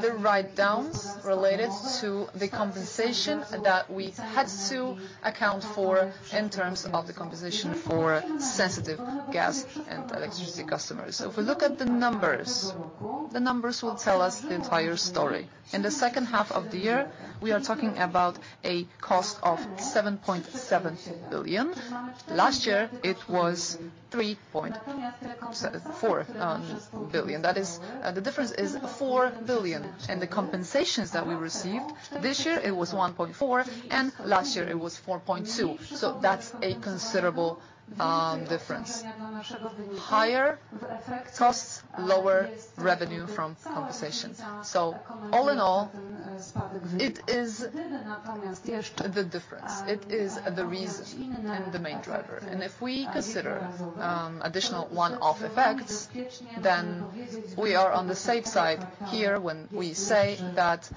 the write-downs related to the compensation that we had to account for in terms of the compensation for sensitive gas and electricity customers. So if we look at the numbers, the numbers will tell us the entire story. In the second half of the year, we are talking about a cost of 7.7 billion. Last year, it was three point four billion. That is, the difference is 4 billion. In the compensations that we received, this year it was 1.4 billion, and last year it was 4.2 billion, so that's a considerable difference. Higher costs, lower revenue from compensations. So all in all, it is the difference, it is the reason and the main driver. And if we consider additional one-off effects, then we are on the safe side here when we say that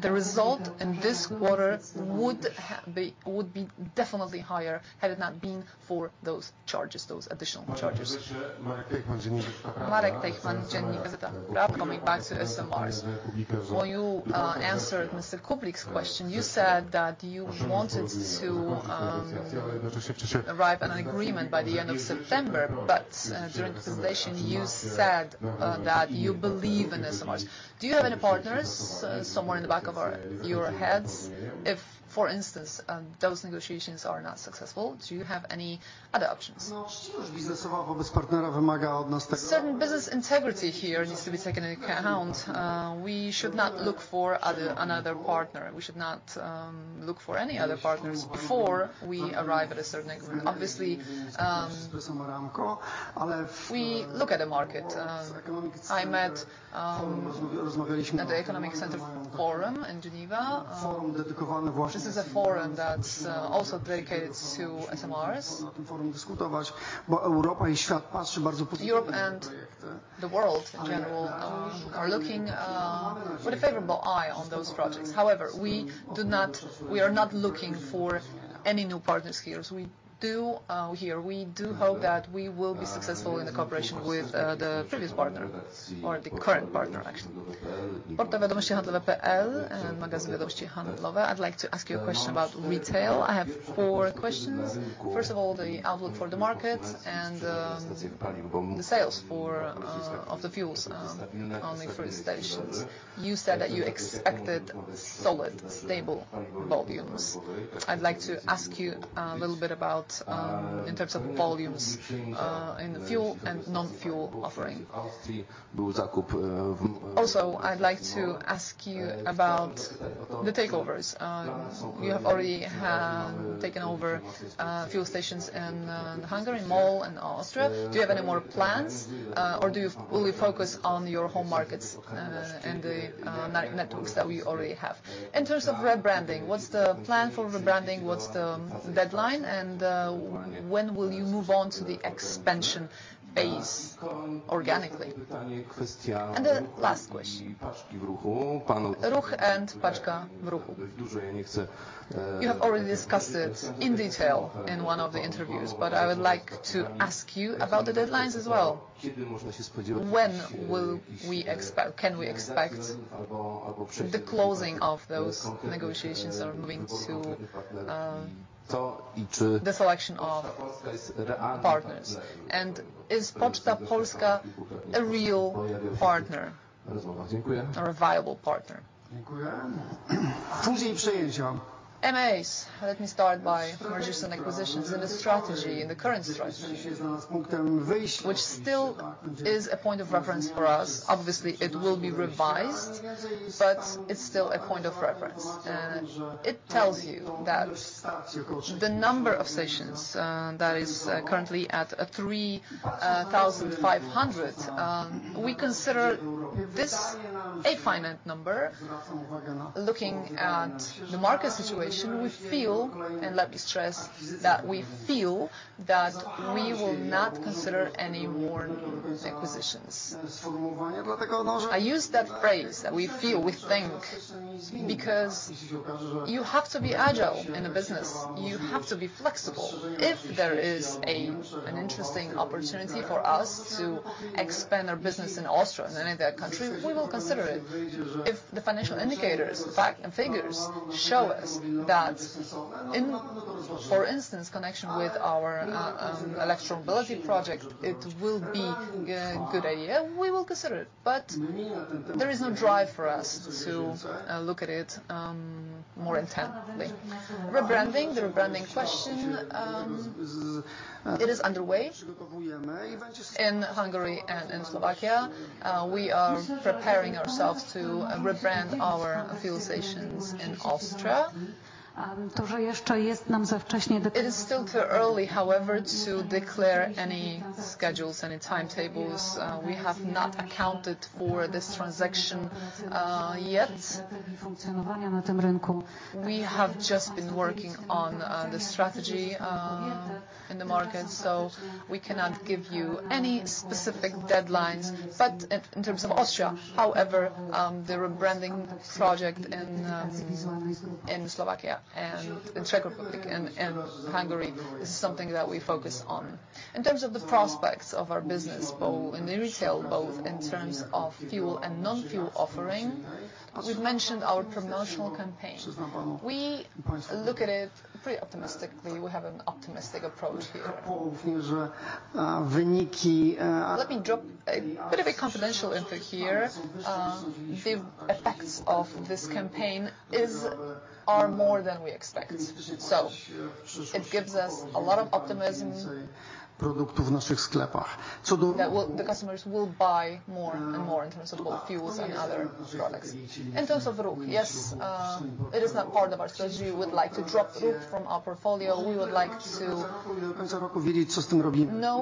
the result in this quarter would be, would be definitely higher, had it not been for those charges, those additional charges. Marek Tejchman, Dziennik Gazeta Prawna. Coming back to SMRs. When you answered Mr. Kublik's question, you said that you wanted to arrive at an agreement by the end of September, but during the presentation, you said that you believe in SMRs. Do you have any partners somewhere in the back of our, your heads, if, for instance, those negotiations are not successful? Do you have any other options? Certain business integrity here needs to be taken into account. We should not look for other, another partner. We should not look for any other partners before we arrive at a certain agreement. Obviously, we look at the market. I met at the Economic forum in Geneva. This is a forum that's also dedicated to SMRs. Europe and the world, in general, are looking with a favorable eye on those projects. However, we do not, we are not looking for any new partners here, so we do here. We do hope that we will be successful in the cooperation with the previous partner, or the current partner, actually. Marek Tejchman from Dziennik Gazeta Prawna and Michał Perzyński from Dziennik Gazeta Prawna, I'd like to ask you a question about retail. I have four questions. First of all, the outlook for the market and the sales for of the fuels only for the stations. You said that you expected solid, stable volumes. I'd like to ask you a little bit about, in terms of volumes, in the fuel and non-fuel offering. Also, I'd like to ask you about the takeovers. You have already taken over fuel stations in Hungary, MOL, and Austria. Do you have any more plans? Or will you focus on your home markets and the networks that we already have? In terms of rebranding, what's the plan for rebranding? What's the deadline, and when will you move on to the expansion phase organically? The last question, Ruch and Paczka Ruchu. You have already discussed it in detail in one of the interviews, but I would like to ask you about the deadlines as well. When will we expect—can we expect the closing of those negotiations, or moving to the selection of partners? And is Poczta Polska a real partner or a viable partner? M&A, let me start by mergers and acquisitions, and the strategy, and the current strategy, which still is a point of reference for us. Obviously, it will be revised, but it's still a point of reference. It tells you that the number of stations, that is, currently at 3,500, we consider this a finite number. Looking at the market situation, we feel, and let me stress, that we feel that we will not consider any more acquisitions. I use that phrase, that we feel, we think, because you have to be agile in the business, you have to be flexible. If there is an interesting opportunity for us to expand our business in Austria and any other country, we will consider it. If the financial indicators, facts, and figures show us that in, for instance, connection with our electromobility project, it will be a good idea, we will consider it. But there is no drive for us to look at it more intently. Rebranding, the rebranding question, it is underway in Hungary and in Slovakia. We are preparing ourselves to rebrand our fuel stations in Austria. It is still too early, however, to declare any schedules, any timetables. We have not accounted for this transaction yet. We have just been working on the strategy in the market, so we cannot give you any specific deadlines. But in terms of Austria, however, the rebranding project in Slovakia, and the Czech Republic, and Hungary, is something that we focus on. In terms of the prospects of our business, both in the retail, both in terms of fuel and non-fuel offering, we've mentioned our promotional campaign. We look at it pretty optimistically. We have an optimistic approach here. Let me drop a bit of a confidential info here. The effects of this campaign is, are more than we expect. So it gives us a lot of optimism that well, the customers will buy more and more in terms of both fuels and other products. In terms of Ruch, yes, it is not part of our strategy. We would like to drop Ruch from our portfolio. We would like to know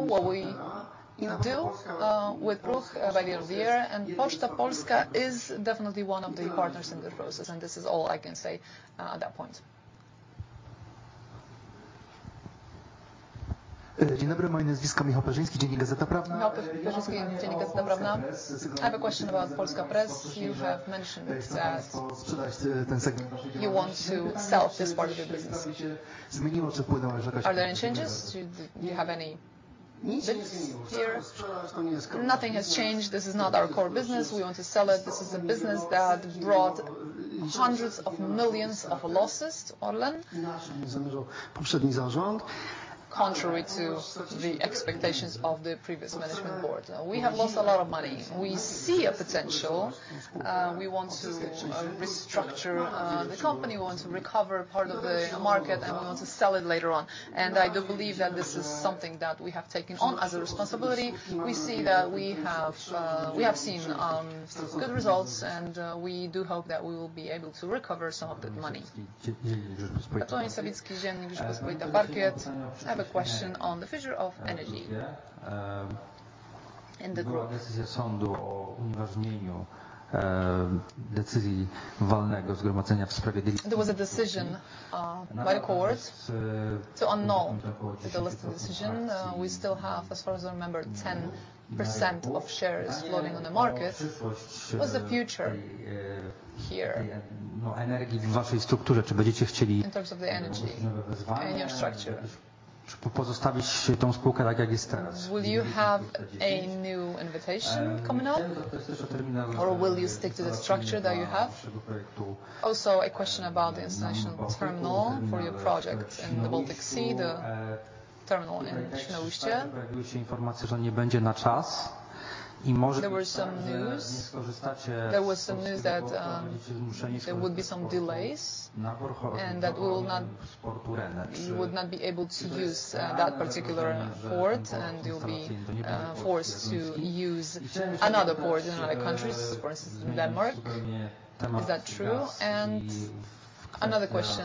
what we do with Ruch by the end of the year, and Poczta Polska is definitely one of the partners in the process, and this is all I can say at that point. Good afternoon, my name is Michał Perzyński, Dziennik Gazeta Prawna. Michał Perzyński, Dziennik Gazeta Prawna. I have a question about Polska Press. You have mentioned that you want to sell this part of your business. Are there any changes? Do you have any bids here? Nothing has changed. This is not our core business. We want to sell it. This is a business that brought hundreds of millions of losses to Orlen, contrary to the expectations of the previous management board. We have lost a lot of money. We see a potential. We want to restructure the company. We want to recover part of the market, and we want to sell it later on. I do believe that this is something that we have taken on as a responsibility. We see that we have seen good results, and we do hope that we will be able to recover some of that money. Bartłomiej Sawicki, Dziennik Gazeta Prawna, Parkiet. I have a question on the future of Energa in the group. There was a decision by the court to annul the listing decision. We still have, as far as I remember, 10% of shares floating on the market. What's the future here, in terms of the Energa in your structure? Will you have a new invitation coming up, or will you stick to the structure that you have? Also, a question about the installation terminal for your project in the Baltic Sea, the terminal in Świnoujście. There were some news that there would be some delays, and that you would not be able to use that particular port, and you'll be forced to use another port in other countries, for instance, Denmark. Is that true? And another question,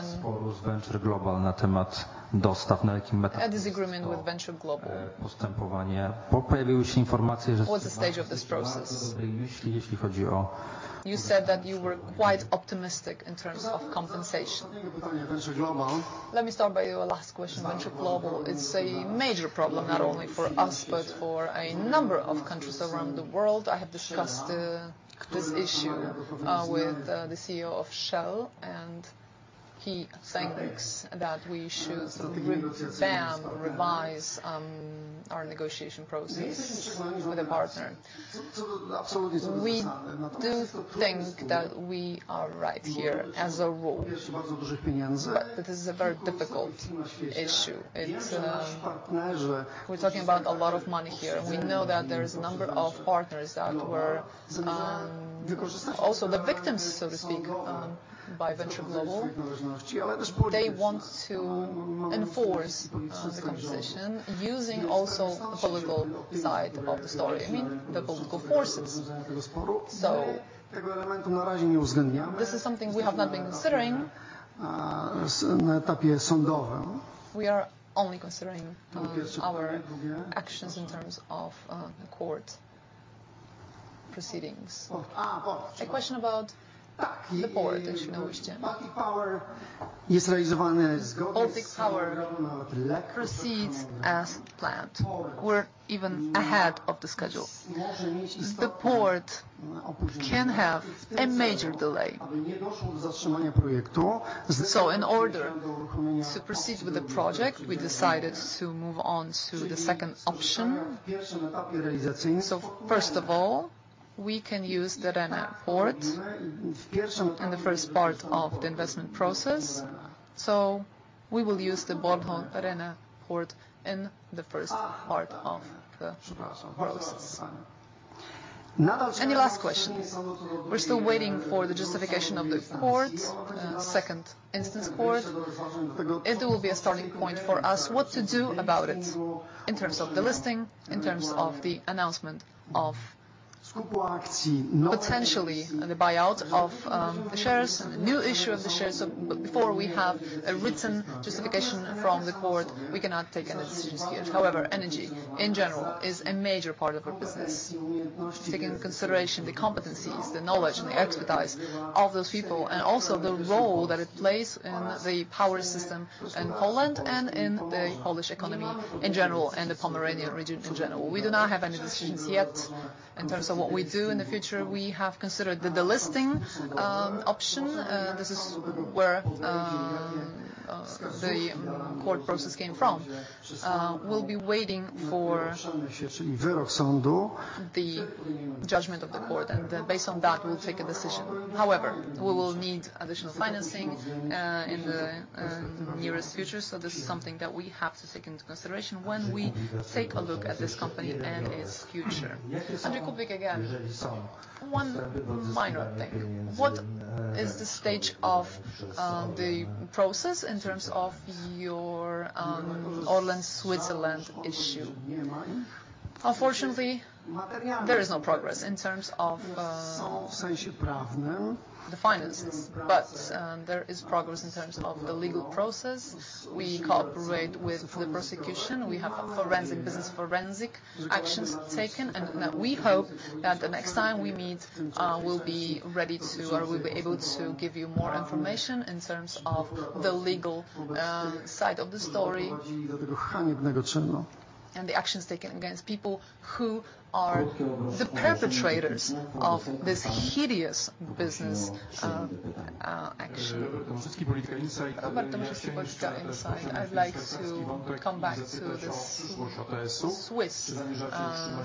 a disagreement with Venture Global. What's the stage of this process? You said that you were quite optimistic in terms of compensation. Let me start by your last question, Venture Global. It's a major problem, not only for us, but for a number of countries around the world. I have discussed this issue with the CEO of Shell, and he thinks that we should revise our negotiation process with the partner. We do think that we are right here as a rule, but this is a very difficult issue. It's... We're talking about a lot of money here. We know that there is a number of partners that were also the victims, so to speak, by Venture Global. They want to enforce the compensation, using also the political side of the story, I mean, the political forces. So this is something we have not been considering. We are only considering our actions in terms of the court proceedings. A question about the port in Świnoujście. Baltic Power proceeds as planned. We're even ahead of the schedule. The port can have a major delay. So in order to proceed with the project, we decided to move on to the second option. So first of all, we can use the Rønne port in the first part of the investment process, so we will use the Bornholm Rønne port in the first part of the process. Any last questions? We're still waiting for the justification of the court, second instance court. It will be a starting point for us what to do about it in terms of the listing, in terms of the announcement of potentially, the buyout of, the shares, and the new issue of the shares. But before we have a written justification from the court, we cannot take any decisions yet. However, Energa, in general, is a major part of our business. Taking into consideration the competencies, the knowledge, and the expertise of those people, and also the role that it plays in the power system in Poland and in the Polish economy in general, and the Pomerania region in general. We do not have any decisions yet in terms of what we do in the future. We have considered the delisting option. This is where the court process came from. We'll be waiting for the judgment of the court, and then based on that, we'll take a decision. However, we will need additional financing in the nearest future, so this is something that we have to take into consideration when we take a look at this company and its future. Andrzej Kublik, again, one minor thing. What is the stage of the process in terms of your Orlen Switzerland issue? Unfortunately, there is no progress in terms of the finances, but there is progress in terms of the legal process. We cooperate with the prosecution. We have forensic business forensic actions taken, and we hope that the next time we meet, we'll be ready to or we'll be able to give you more information in terms of the legal side of the story, and the actions taken against people who are the perpetrators of this hideous business action. I'd like to come back to this Swiss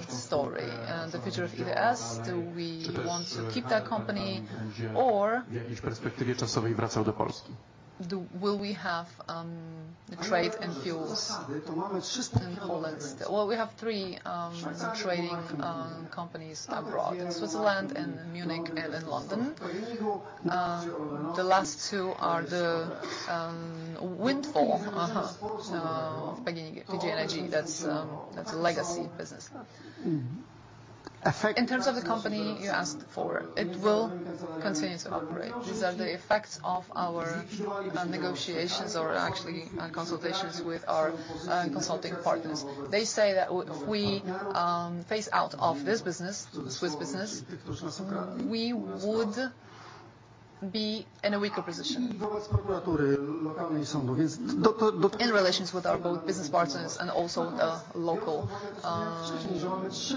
story and the future of OTS. Do we want to keep that company or will we have the trade in fuels in Poland? Well, we have three trading companies abroad, in Switzerland, in Munich, and in London. The last two are the windfall of PGNiG. That's a legacy business. In terms of the company you asked for, it will continue to operate. These are the effects of our negotiations, or actually, consultations with our consulting partners. They say that if we phase out of this business, the Swiss business, we would be in a weaker position. In relations with our both business partners and also the local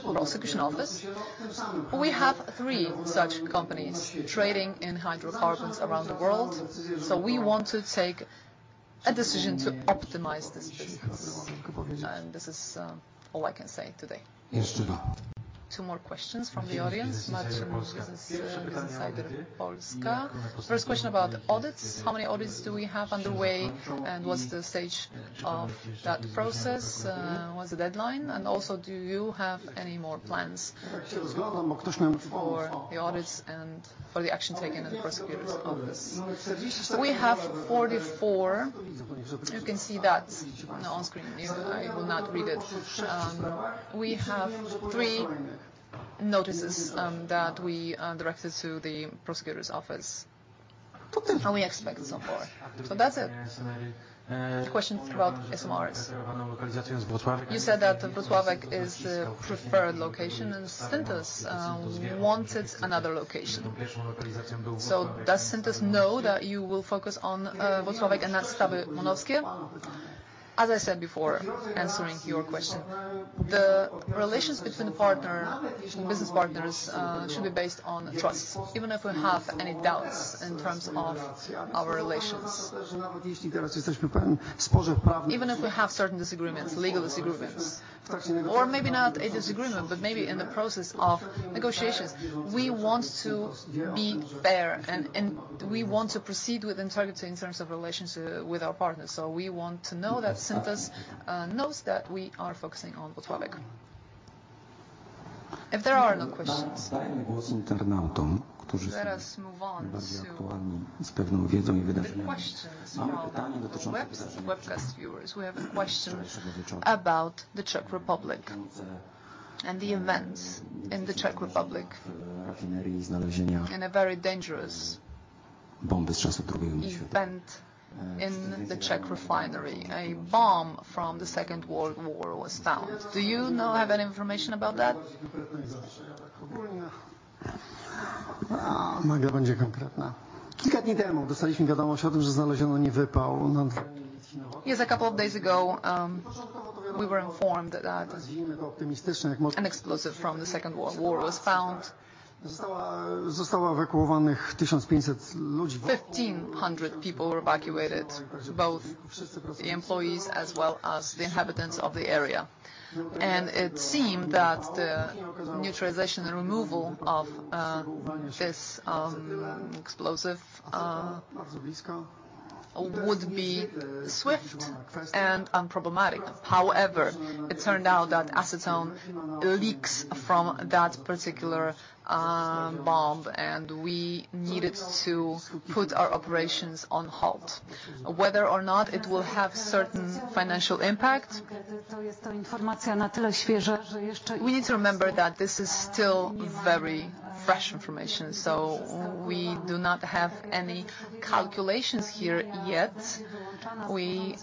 prosecution office. We have three such companies trading in hydrocarbons around the world, so we want to take a decision to optimize this business, and this is all I can say today. Two more questions from the audience, Marcin Lis Insider Polska. First question about audits: How many audits do we have underway, and what's the stage of that process? What's the deadline? And also, do you have any more plans for the audits and for the action taken in the prosecutor's office? We have 44. You can see that on screen. I will not read it. We have three notices that we directed to the prosecutor's office, and we expect some more. So that's it. Questions about SMRs. You said that Wrocław is the preferred location, and Synthos wanted another location. So does Synthos know that you will focus on Wrocław and Stawy Monowskie? As I said before, answering your question, the relations between the partner, between business partners should be based on trust, even if we have any doubts in terms of our relations. Even if we have certain disagreements, legal disagreements, or maybe not a disagreement, but maybe in the process of negotiations, we want to be fair, and we want to proceed with integrity in terms of relations with our partners. So we want to know that Synthos knows that we are focusing on Wrocław. If there are no questions, let us move on to the questions from our webcast viewers. We have a question about the Czech Republic and the events in the Czech Republic. A very dangerous event in the Czech refinery, a bomb from the Second World War was found. Do you know, have any information about that? Yes, a couple of days ago, we were informed that an explosive from the Second World War was found. 1,500 people were evacuated, both the employees as well as the inhabitants of the area. It seemed that the neutralization and removal of this explosive would be swift and unproblematic. However, it turned out that acetone leaks from that particular bomb, and we needed to put our operations on halt. Whether or not it will have certain financial impact? We need to remember that this is still very fresh information, so we do not have any calculations here yet. We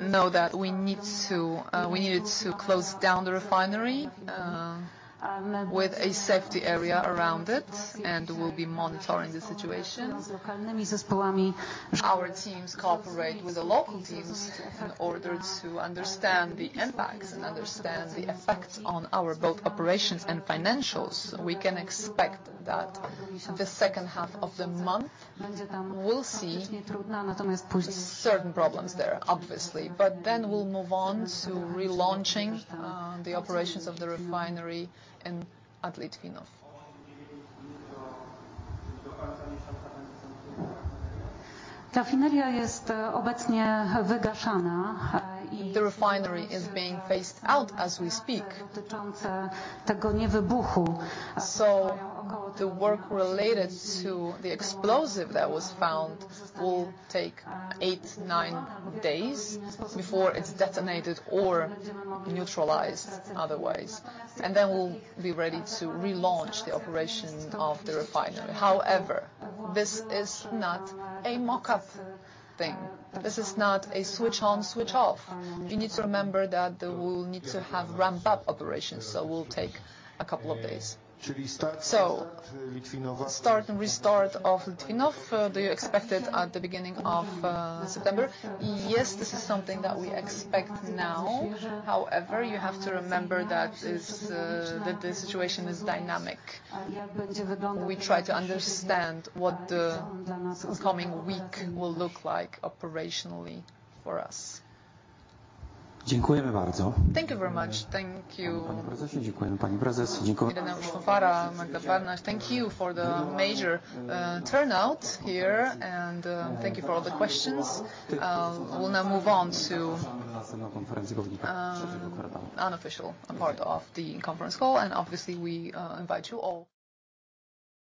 know that we need to, we needed to close down the refinery, with a safety area around it, and we'll be monitoring the situation. Our teams cooperate with the local teams in order to understand the impacts and understand the effects on our both operations and financials. We can expect that the second half of the month, we'll see certain problems there, obviously, but then we'll move on to relaunching, the operations of the refinery in, at Litvínov. The refinery is being phased out as we speak. So the work related to the explosive that was found will take eight, nine days before it's detonated or neutralized otherwise, and then we'll be ready to relaunch the operation of the refinery. However, this is not a mock-up thing. This is not a switch on, switch off. You need to remember that we'll need to have ramp-up operations, so will take a couple of days. So start and restart of Litvínov, do you expect it at the beginning of September? Yes, this is something that we expect now. However, you have to remember that is, that the situation is dynamic. We try to understand what the coming week will look like operationally for us. Thank you very much. Thank you, Ireneusz Fąfara, Magdalena Bartoś. Thank you for the major turnout here, and thank you for all the questions. We'll now move on to the unofficial part of the conference call, and obviously, we invite you all.